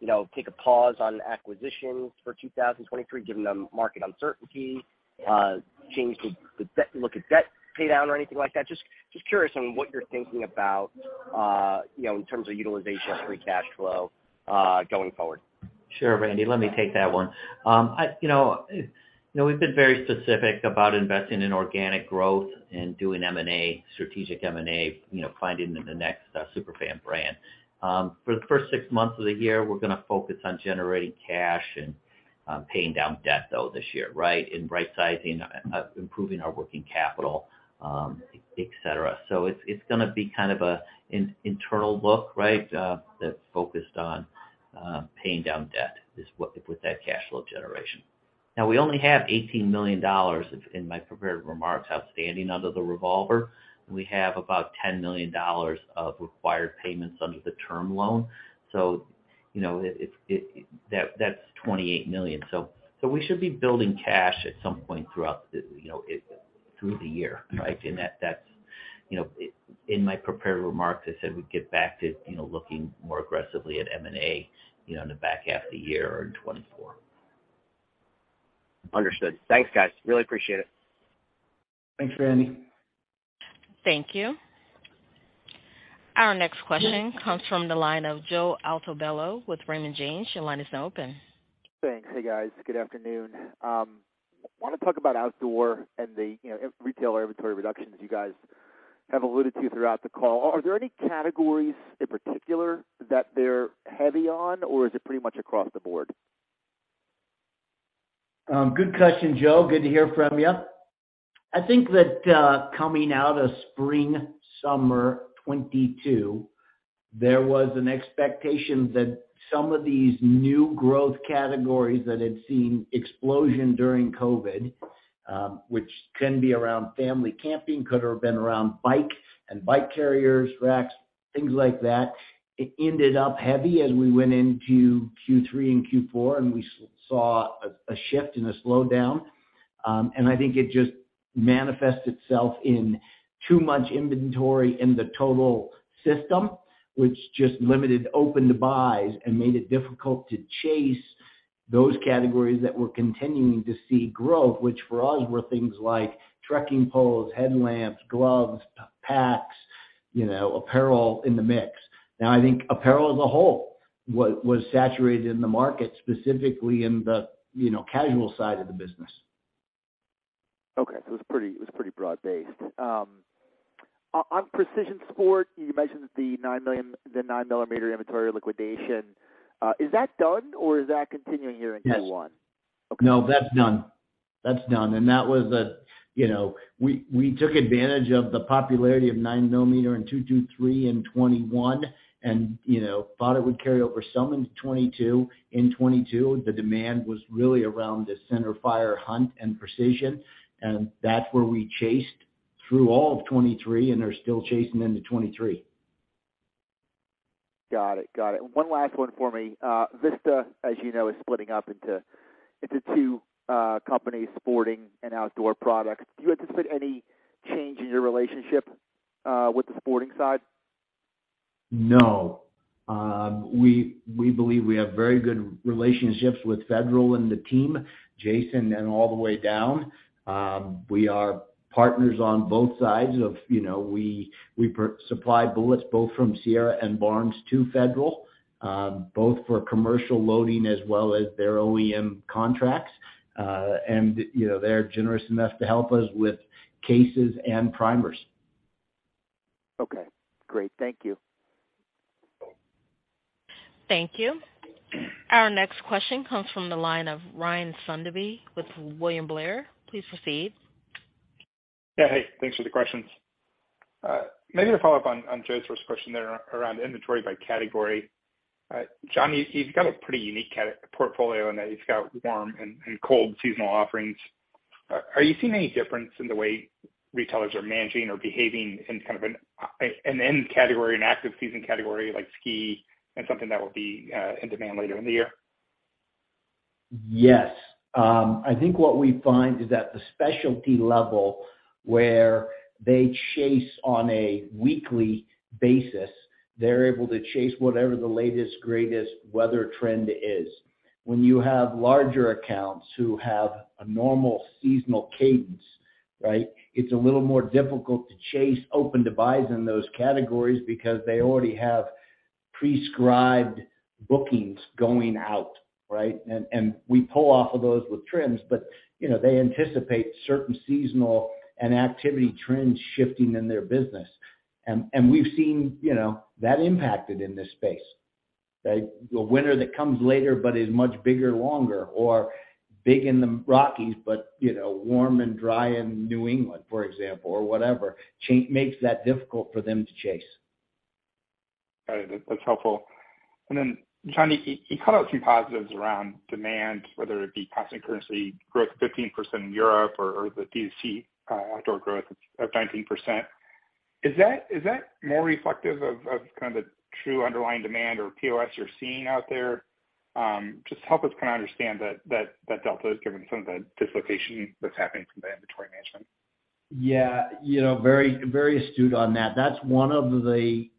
you know, take a pause on acquisitions for 2023, given the market uncertainty, look at debt paydown or anything like that? Just curious on what you're thinking about, you know, in terms of utilization of free cash flow, going forward. Sure, Randy, let me take that one. You know, you know, we've been very specific about investing in organic growth and doing M&A, strategic M&A, you know, finding the next super fan brand. For the first six months of the year, we're gonna focus on generating cash and paying down debt, though, this year, right? Rightsizing, improving our working capital, et cetera. It's gonna be kind of a in-internal look, right, that's focused on paying down debt with that cash flow generation. Now, we only have $18 million in my prepared remarks outstanding under the revolver. We have about $10 million of required payments under the term loan, you know, that's $28 million. We should be building cash at some point throughout the, you know, through the year, right? That's, you know. In my prepared remarks, I said we'd get back to, you know, looking more aggressively at M&A, you know, in the back half of the year or in 2024. Understood. Thanks, guys. Really appreciate it. Thanks, Randy. Thank you. Our next question comes from the line of Joe Altobello with Raymond James. Your line is now open. Thanks. Hey, guys. Good afternoon. Wanna talk about outdoor and the, you know, retail inventory reductions you guys have alluded to throughout the call. Are there any categories in particular that they're heavy on, or is it pretty much across the board? Good question, Joe. Good to hear from you. I think that, coming out of spring, summer 2022, there was an expectation that some of these new growth categories that had seen explosion during COVID, which can be around family camping, could have been around bike and bike carriers, racks, things like that. It ended up heavy as we went into Q3 and Q4, we saw a shift and a slowdown. I think it just manifests itself in too much inventory in the total system, which just limited open-to-buy and made it difficult to chase those categories that we're continuing to see growth, which for us were things like trekking poles, headlamps, gloves, packs. You know, apparel in the mix. Now, I think apparel as a whole was saturated in the market, specifically in the, you know, casual side of the business. It was pretty broad-based. On Precision Sport, you mentioned the 9mm inventory liquidation. Is that done or is that continuing here into one? Yes. Okay. No, that's done. That's done. That was a, you know. We took advantage of the popularity of 9mm in .223 in 2021 and, you know, thought it would carry over some into 2022. In 2022, the demand was really around the center fire hunt and precision, and that's where we chased through all of 2023 and are still chasing into 2023. Got it. Got it. One last one for me. Vista, as you know, is splitting up into two companies, sporting and outdoor products. Do you anticipate any change in your relationship with the sporting side? No. We believe we have very good relationships with Federal and the team, Jason and all the way down. We are partners on both sides of, you know, we supply bullets both from Sierra and Barnes to Federal, both for commercial loading as well as their OEM contracts. You know, they're generous enough to help us with cases and primers. Okay, great. Thank you. Thank you. Our next question comes from the line of Ryan Sundby with William Blair. Please proceed. Yeah, hey, thanks for the questions. Maybe to follow up on Joe's first question there around inventory by category. John, you've got a pretty unique portfolio in that you've got warm and cold seasonal offerings. Are you seeing any difference in the way retailers are managing or behaving in kind of an in-category, an active season category like ski and something that will be in demand later in the year? Yes. I think what we find is at the specialty level, where they chase on a weekly basis, they're able to chase whatever the latest, greatest weather trend is. When you have larger accounts who have a normal seasonal cadence, right? It's a little more difficult to chase open-to-buy in those categories because they already have prescribed bookings going out, right? And, and we pull off of those with trends, but, you know, they anticipate certain seasonal and activity trends shifting in their business. And, and we've seen, you know, that impacted in this space, right? The winter that comes later but is much bigger, longer, or big in the Rockies but, you know, warm and dry in New England, for example, or whatever, makes that difficult for them to chase. Got it. That's helpful. Then John, you called out a few positives around demand, whether it be constant currency growth 15% in Europe or the DTC outdoor growth of 19%. Is that more reflective of kind of the true underlying demand or POS you're seeing out there? Just help us kinda understand that delta is given some of the dislocation that's happening from the inventory management. Yeah. You know, very, very astute on that. Obviously,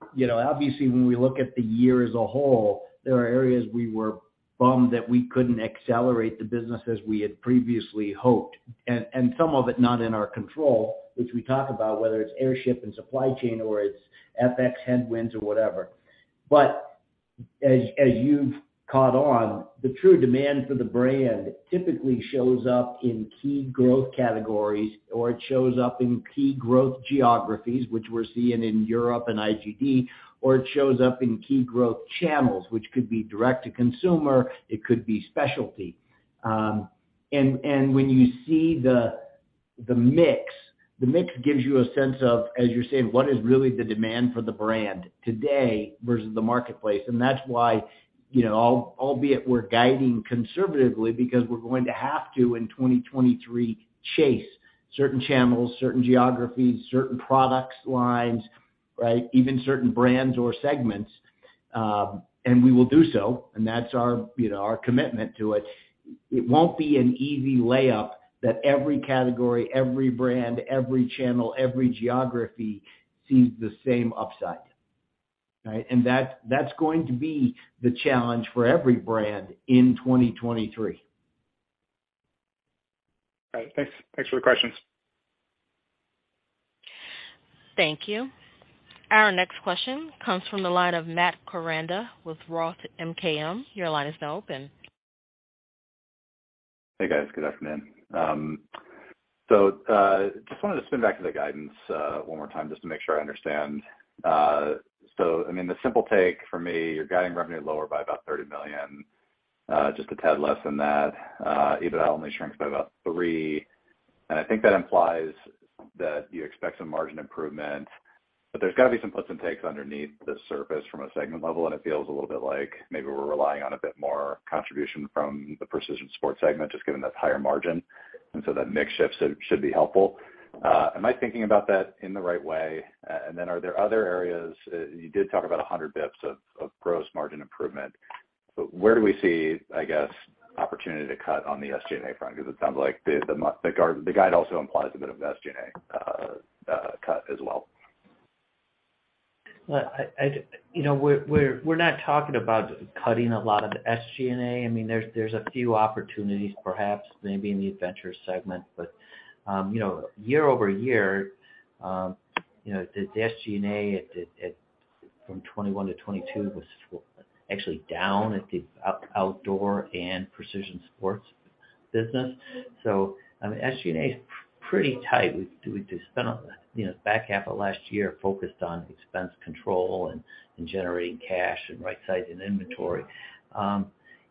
when we look at the year as a whole, there are areas we were bummed that we couldn't accelerate the business as we had previously hoped, and some of it not in our control, which we talk about, whether it's airs freight and supply chain or it's FX headwinds or whatever. As you've caught on, the true demand for the brand typically shows up in key growth categories, or it shows up in key growth geographies, which we're seeing in Europe and IGD, or it shows up in key growth channels, which could be direct to consumer, it could be specialty. And when you see the mix gives you a sense of, as you're saying, what is really the demand for the brand today versus the marketplace. That's why, you know, albeit we're guiding conservatively because we're going to have to in 2023 chase certain channels, certain geographies, certain product lines, right? Even certain brands or segments, and we will do so, and that's our, you know, our commitment to it. It won't be an easy layup that every category, every brand, every channel, every geography sees the same upside, right? And that's going to be the challenge for every brand in 2023. All right. Thanks. Thanks for the questions. Thank you. Our next question comes from the line of Matt Koranda with ROTH MKM. Your line is now open. Hey, guys. Good afternoon. just wanted to spin back to the guidance one more time just to make sure I understand. I mean, the simple take for me, you're guiding revenue lower by about $30 million, just a tad less than that. EBITDA only shrinks by about $3 million, and I think that implies that you expect some margin improvement. There's got to be some puts and takes underneath the surface from a segment level, and it feels a little bit like maybe we're relying on a bit more contribution from the Precision Sport segment, just given that's higher margin, that mix shift should be helpful. Am I thinking about that in the right way? Are there other areas... You did talk about 100 basis points of gross margin improvement. Where do we see, I guess, opportunity to cut on the SG&A front? It sounds like the guide also implies a bit of SG&A cut as well. Well, you know, we're not talking about cutting a lot of the SG&A. I mean, there's a few opportunities perhaps maybe in the adventure segment. You know, year-over-year, you know, the SG&A at from 2021 to 2022 was actually down at the outdoor and precision sports business. I mean, SG&A is pretty tight. We spent, you know, the back half of last year focused on expense control and generating cash and rightsizing inventory.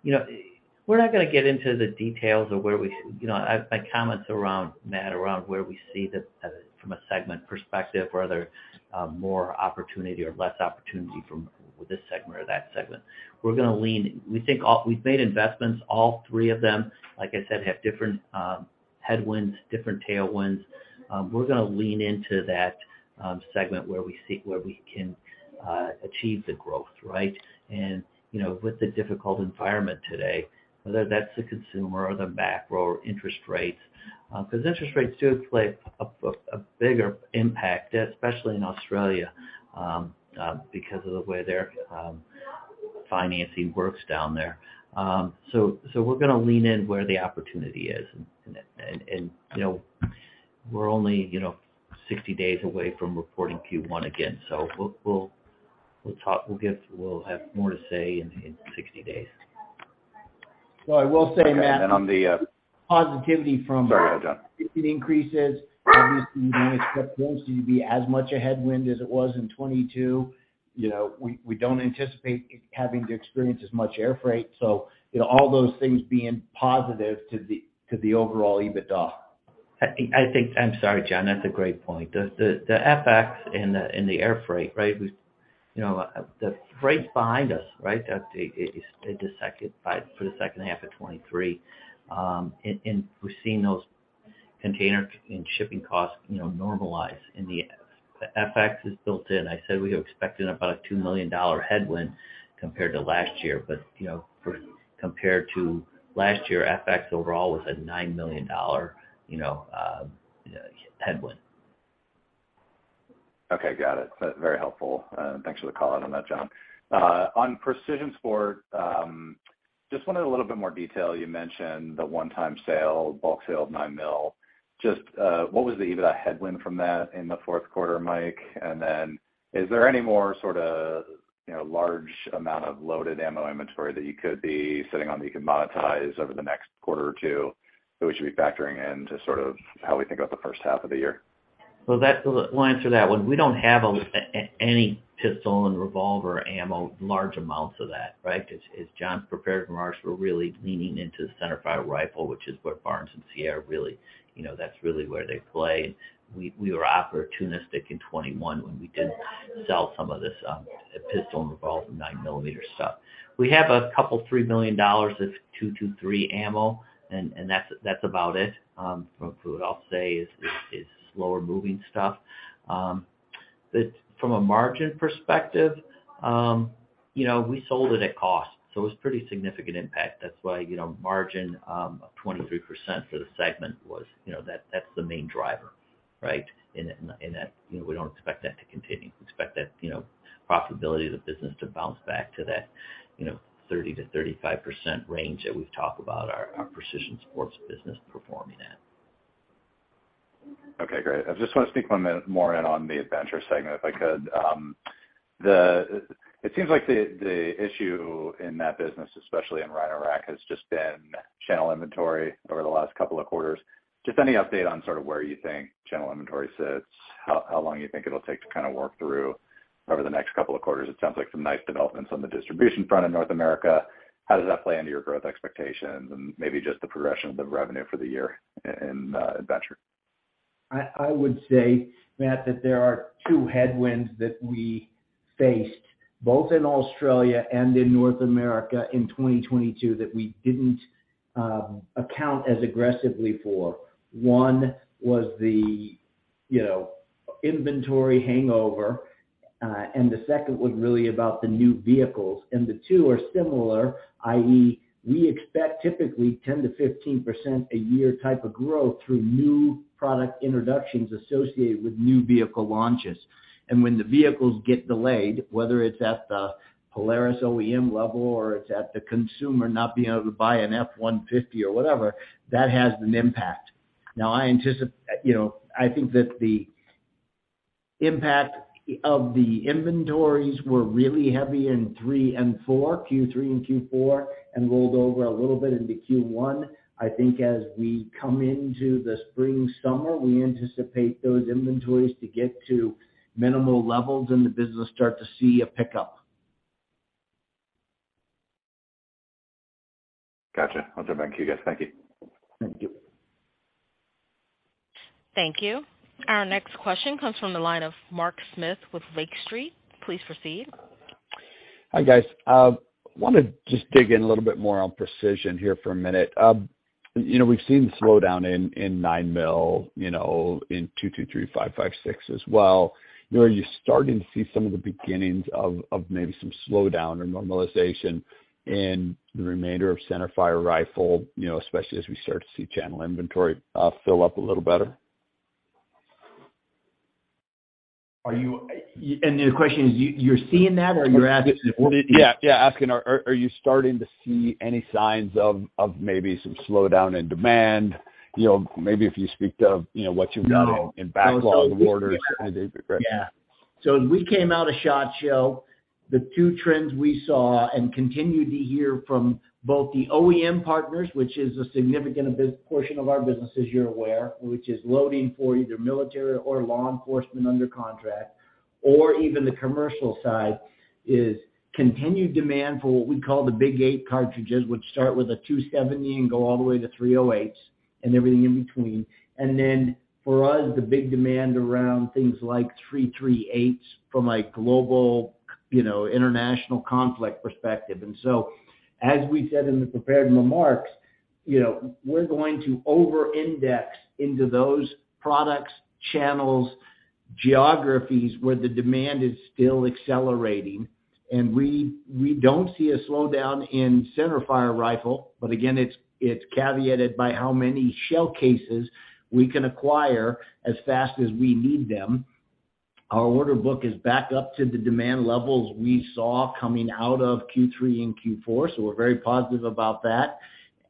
You know, we're not gonna get into the details of where we. You know, my comments around, Matt, around where we see the from a segment perspective, where there more opportunity or less opportunity from this segment or that segment. We've made investments, all three of them, like I said, have different headwinds, different tailwinds. We're gonna lean into that segment where we see where we can achieve the growth, right? You know, with the difficult environment today, whether that's the consumer or the macro or interest rates, 'cause interest rates do play a bigger impact, especially in Australia, because of the way their financing works down there. So we're gonna lean in where the opportunity is. You know, we're only, you know, 60 days away from reporting Q1 again. We'll talk, we'll have more to say in 60 days. Well, I will say, Matt, Okay. on the. Positivity. Sorry, go John. increases, obviously you don't expect those to be as much a headwind as it was in 2022. You know, we don't anticipate having to experience as much air freight. You know, all those things being positive to the overall EBITDA. I'm sorry, John. That's a great point. The FX and the air freight, right? You know, the freight's behind us, right? For the second half of 2023. We're seeing those container and shipping costs, you know, normalize and the FX is built in. I said we were expecting about a $2 million headwind compared to last year. You know, compared to last year, FX overall was a $9 million, you know, headwind. Okay. Got it. That's very helpful. Thanks for the call out on that, John. On precision sport, just wanted a little bit more detail. You mentioned the one-time sale, bulk sale of 9mm. Just what was the EBITDA headwind from that in the fourth quarter, Mike? Is there any more, you know, large amount of loaded ammo inventory that you could be sitting on that you can monetize over the next quarter or two that we should be factoring in to how we think about the first half of the year? Well, I'll answer that one. We don't have any pistol and revolver ammo, large amounts of that, right? As John's prepared remarks, we're really leaning into the center fire rifle, which is what Barnes and Sierra really, you know, that's really where they play. We were opportunistic in 2021 when we did sell some of this pistol and revolver 9mm stuff. We have a couple, $3 million of .223 ammo and that's about it. From what I'll say is slower moving stuff. From a margin perspective, you know, we sold it at cost, so it was pretty significant impact. That's why, you know, margin of 23% for the segment was, you know, that's the main driver, right? That, you know, we don't expect that to continue. We expect that, you know, profitability of the business to bounce back to that, you know, 30%-35% range that we've talked about our precision sports business performing at. Okay. Great. I just want to sneak one more in on the adventure segment, if I could. It seems like the issue in that business, especially in Rhino-Rack, has just been channel inventory over the last couple of quarters. Just any update on sort of where you think channel inventory sits, how long you think it'll take to kind of work through over the next couple of quarters? It sounds like some nice developments on the distribution front in North America. How does that play into your growth expectations and maybe just the progression of the revenue for the year in adventure? I would say, Matt, that there are two headwinds that we faced both in Australia and in North America in 2022 that we didn't account as aggressively for. One was the, you know, inventory hangover, and the second was really about the new vehicles. The two are similar, i.e., we expect typically 10%-15% a year type of growth through new product introductions associated with new vehicle launches. And when the vehicles get delayed, whether it's at the Polaris OEM level or it's at the consumer not being able to buy an F-150 or whatever, that has an impact. Now, you know, I think that the impact of the inventories were really heavy in three and four, Q3 and Q4, and rolled over a little bit into Q1. I think as we come into the spring, summer, we anticipate those inventories to get to minimal levels and the business start to see a pickup. Gotcha. I'll turn it back to you guys. Thank you. Thank you. Thank you. Our next question comes from the line of Mark Smith with Lake Street. Please proceed. Hi, guys. Wanna just dig in a little bit more on precision here for a minute. You know, we've seen the slowdown in 9mm, you know, in .223, 5.56 as well. You know, are you starting to see some of the beginnings of maybe some slowdown or normalization in the remainder of center fire rifle, you know, especially as we start to see channel inventory, fill up a little better? Are you, and the question is you're seeing that or you're asking if we're-? Yeah. Asking are you starting to see any signs of maybe some slowdown in demand? You know, maybe if you speak to, you know, what you've got in backlog orders. No. Yeah. As we came out of SHOT Show, the two trends we saw and continue to hear from both the OEM partners, which is a significant portion of our business, as you're aware, which is loading for either military or law enforcement under contract or even the commercial side, is continued demand for what we call the Big Eight cartridges, which start with a .270 and go all the way to .308s and everything in between. Then for us, the big demand around things like .338s from a global, you know, international conflict perspective. So, as we said in the prepared remarks, you know, we're going to over-index into those products, channels, geographies where the demand is still accelerating. And we don't see a slowdown in centerfire rifle, but again, it's caveated by how many shell cases we can acquire as fast as we need them. Our order book is back up to the demand levels we saw coming out of Q3 and Q4, so we're very positive about that.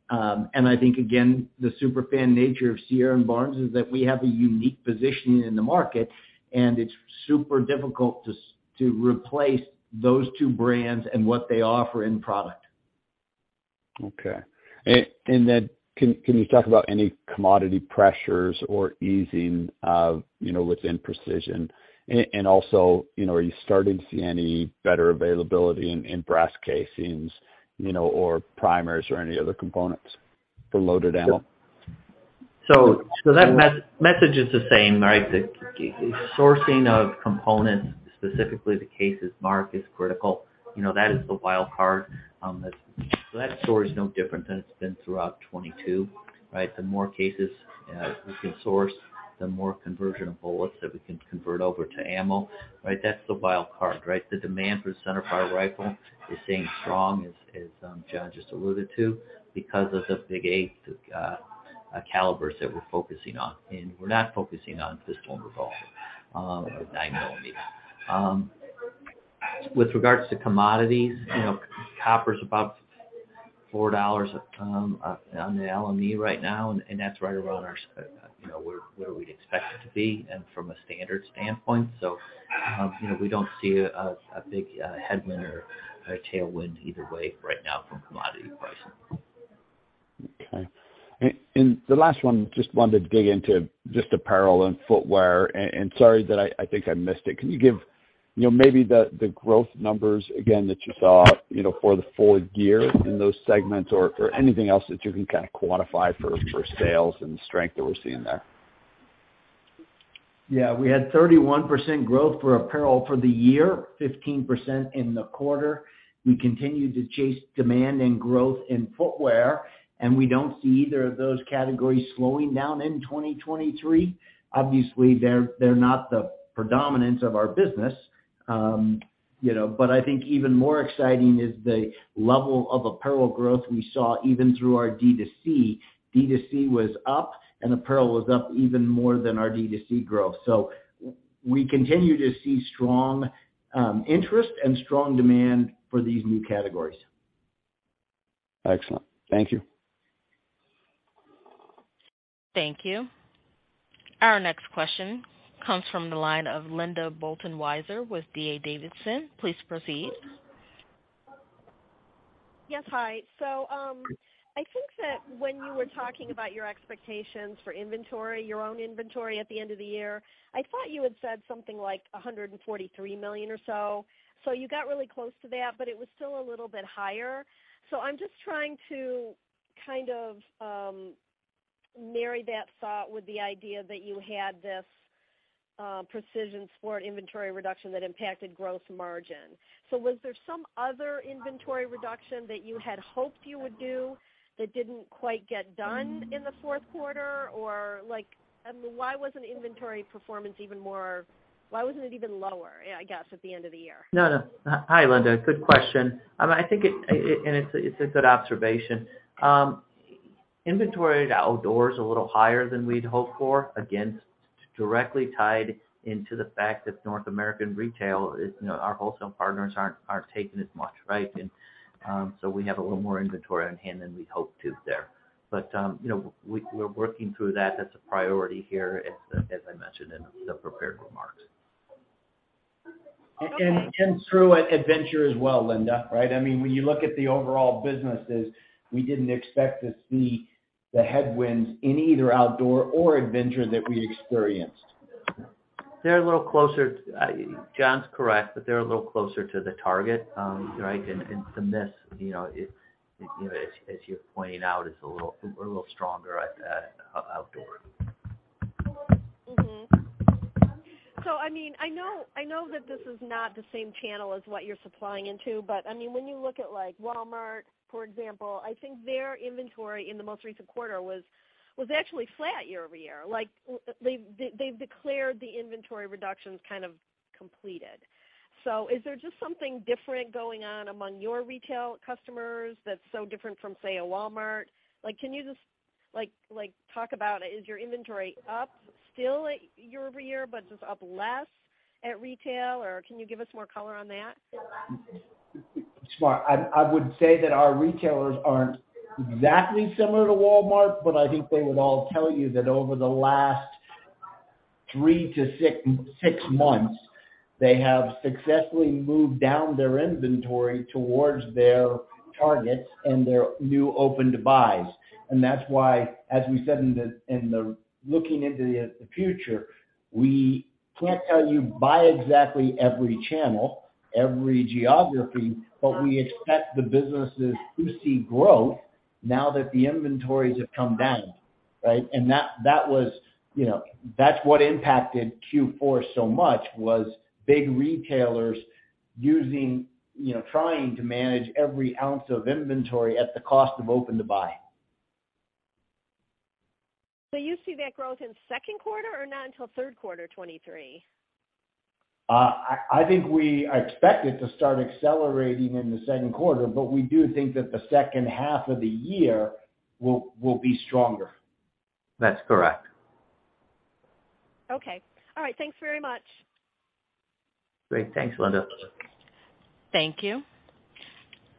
I think again, the super fan nature of Sierra and Barnes is that we have a unique positioning in the market, and it's super difficult to replace those two brands and what they offer in product. Okay. Then can you talk about any commodity pressures or easing of, you know, within precision? Also, you know, are you starting to see any better availability in brass casings, you know, or primers or any other components for loaded ammo? So that message is the same, right? The sourcing of components, specifically the cases mark is critical. You know, that is the wild card on this. That story is no different than it's been throughout 2022, right? The more cases we can source, the more conversion of bullets that we can convert over to ammo, right? That's the wild card, right? The demand for centerfire rifle is staying strong, as John just alluded to, because of the Big Eight calibers that we're focusing on, and we're not focusing on pistol and revolver. 9mm. With regards to commodities, you know, copper's above $4 on the LME right now, and that's right around our you know, where we'd expect it to be and from a standard standpoint. You know, we don't see a big headwind or a tailwind either way right now from commodity pricing. Okay. The last one, just wanted to dig into just apparel and footwear. And sorry that I think I missed it. Can you give, you know, maybe the growth numbers again that you saw, you know, for the full year in those segments or anything else that you can kind of quantify for sales and the strength that we're seeing there? Yeah. We had 31% growth for apparel for the year, 15% in the quarter. We continue to chase demand and growth in footwear. We don't see either of those categories slowing down in 2023. Obviously, they're not the predominance of our business, you know. I think even more exciting is the level of apparel growth we saw even through our D2C. D2C was up. Apparel was up even more than our D2C growth. We continue to see strong interest and strong demand for these new categories. Excellent. Thank you. Thank you. Our next question comes from the line of Linda Bolton-Weiser with D.A. Davidson. Please proceed. Yes. Hi. I think that when you were talking about your expectations for inventory, your own inventory at the end of the year, I thought you had said something like $143 million or so. You got really close to that, but it was still a little bit higher. I'm just trying to kind of marry that thought with the idea that you had this precision sport inventory reduction that impacted gross margin. Was there some other inventory reduction that you had hoped you would do that didn't quite get done in the fourth quarter? Or like I mean, why wasn't inventory performance Why wasn't it even lower, I guess, at the end of the year? Hi, Linda. Good question. I think it's a good observation. Inventory at Outdoor is a little higher than we'd hoped for. Again, it's directly tied into the fact that North American retail is, you know, our wholesale partners aren't taking as much, right? We have a little more inventory on hand than we'd hoped to there. You know, we're working through that. That's a priority here, as I mentioned in the prepared remarks. True at Adventure as well, Linda, right? I mean, when you look at the overall businesses, we didn't expect to see the headwinds in either Outdoor or Adventure that we experienced. They're a little closer. John's correct, but they're a little closer to the target, right? The miss, you know, it, you know, as you're pointing out, is a little stronger at Outdoor. Mm-hmm. So i mean, I know that this is not the same channel as what you're supplying into, but, I mean, when you look at like Walmart, for example, I think their inventory in the most recent quarter was actually flat year-over-year. Like, they've declared the inventory reductions kind of completed. Is there just something different going on among your retail customers that's so different from, say, a Walmart? Like, talk about is your inventory up still year-over-year, but just up less at retail? Or can you give us more color on that? Smart. I would say that our retailers aren't exactly similar to Walmart, but I think they would all tell you that over the last three to six months, they have successfully moved down their inventory towards their targets and their new open-to-buys. That's why, as we said in the looking into the future, we can't tell you by exactly every channel, every geography, but we expect the businesses to see growth now that the inventories have come down, right? That was, you know, that's what impacted Q4 so much was big retailers using, you know, trying to manage every ounce of inventory at the cost of open-to-buy. You see that growth in second quarter or not until third quarter 2023? I think we are expected to start accelerating in the second quarter, but we do think that the second half of the year will be stronger. That's correct. Okay. All right. Thanks very much. Great. Thanks, Linda. Thank you.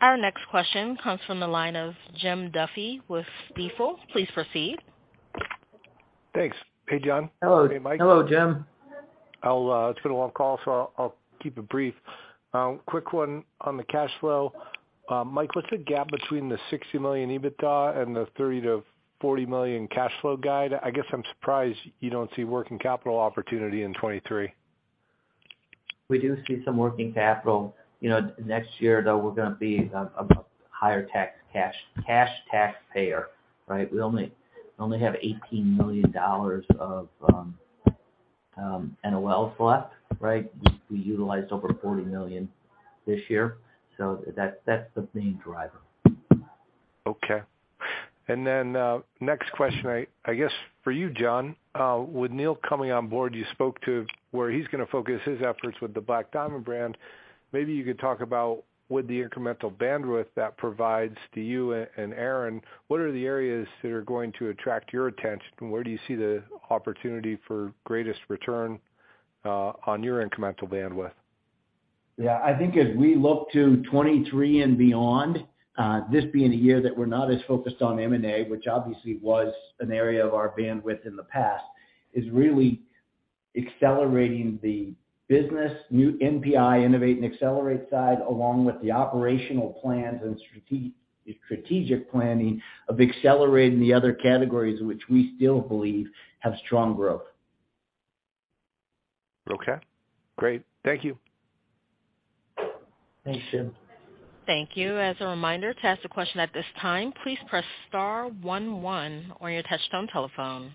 Our next question comes from the line of Jim Duffy with Stifel. Please proceed. Thanks. Hey, John. Hello. Hey, Mike. Hello, Jim. I'll. It's been a long call, so I'll keep it brief. Quick one on the cash flow. Mike, what's the gap between the $60 million EBITDA and the $30 million-$40 million cash flow guide? I guess I'm surprised you don't see working capital opportunity in 2023. We do see some working capital. Next year though, we're gonna be a higher tax cash taxpayer, right? We only have $18 million of NOLs left, right? We utilized over $40 million this year. That's the main driver. Okay. Then, next question, I guess for you, John. With Neil coming on board, you spoke to where he's gonna focus his efforts with the Black Diamond brand. Maybe you could talk about with the incremental bandwidth that provides to you and Aaron, what are the areas that are going to attract your attention? Where do you see the opportunity for greatest return, on your incremental bandwidth? Yeah. I think as we look to 2023 and beyond, this being a year that we're not as focused on M&A, which obviously was an area of our bandwidth in the past, is really accelerating the business, new NPI innovate and accelerate side, along with the operational plans and strategic planning of accelerating the other categories which we still believe have strong growth. Okay. Great. Thank you. Thanks, Jim. Thank you. As a reminder, to ask a question at this time, please press star one one on your touchtone telephone.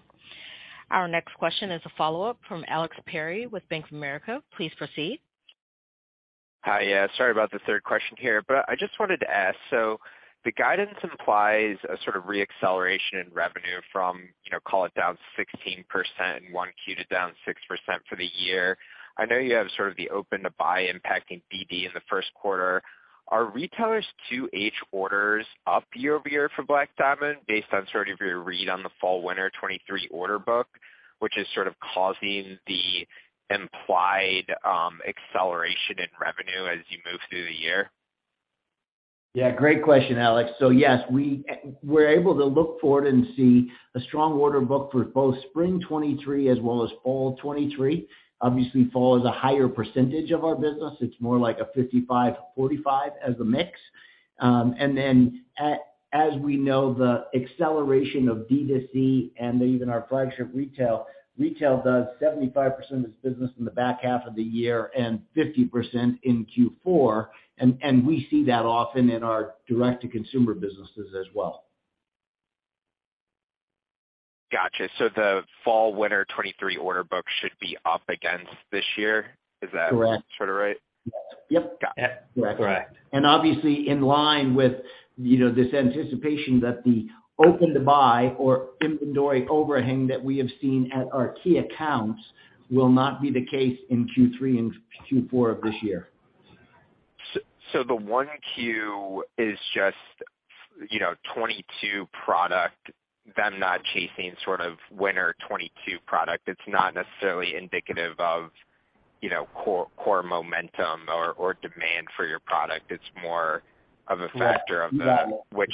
Our next question is a follow-up from Alex Perry with Bank of America. Please proceed. Hi. Sorry about the third question here, but I just wanted to ask, the guidance implies a sort of re-acceleration in revenue from, you know, call it down 16% in 1Q to down 6% for the year. I know you have sort of the open-to-buy impacting BD in the first quarter. Are retailers 2H orders up year-over-year for Black Diamond based on sort of your read on the fall/winter 2023 order book, which is sort of causing the implied acceleration in revenue as you move through the year? Yeah, great question, Alex. Yes, we're able to look forward and see a strong order book for both spring 2023 as well as fall 2023. Obviously, fall is a higher percentage of our business. It's more like a 55, 45 as the mix. As we know, the acceleration of D2C and even our flagship retail does 75% of its business in the back half of the year and 50% in Q4. We see that often in our direct-to-consumer businesses as well. Gotcha. The fall/winter 2023 order book should be up against this year. Correct. sort of right? Yep. Got it. Correct. obviously in line with, you know, this anticipation that the open-to-buy or inventory overhang that we have seen at our key accounts will not be the case in Q3 and Q4 of this year. The 1Q is just, you know, 2022 product, them not chasing sort of winter 2022 product. It's not necessarily indicative of, you know, core momentum or demand for your product. It's more of a factor. Yeah. Which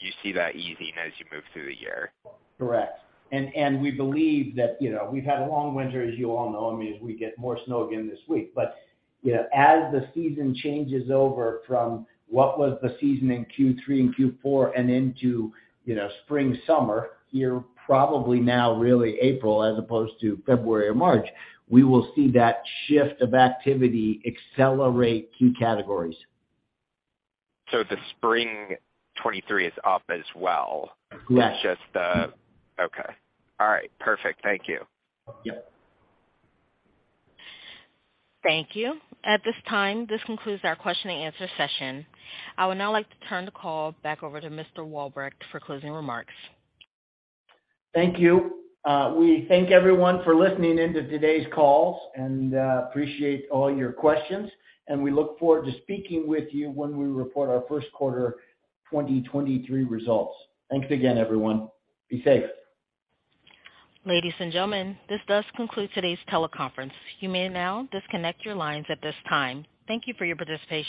you see that easing as you move through the year. Correct. We believe that, you know, we've had a long winter, as you all know. I mean, as we get more snow again this week. You know, as the season changes over from what was the season in Q3 and Q4 and into, you know, spring, summer, you're probably now really April as opposed to February or March, we will see that shift of activity accelerate key categories. The spring 2023 is up as well. Yes. It's just Okay. All right. Perfect. Thank you. Yep. Thank you. At this time, this concludes our question and answer session. I would now like to turn the call back over to Mr. Walbrecht for closing remarks. Thank you. We thank everyone for listening in to today's calls. Appreciate all your questions. We look forward to speaking with you when we report our first quarter of 2023 results. Thanks again, everyone. Be safe. Ladies and gentlemen, this does conclude today's teleconference. You may now disconnect your lines at this time. Thank you for your participation.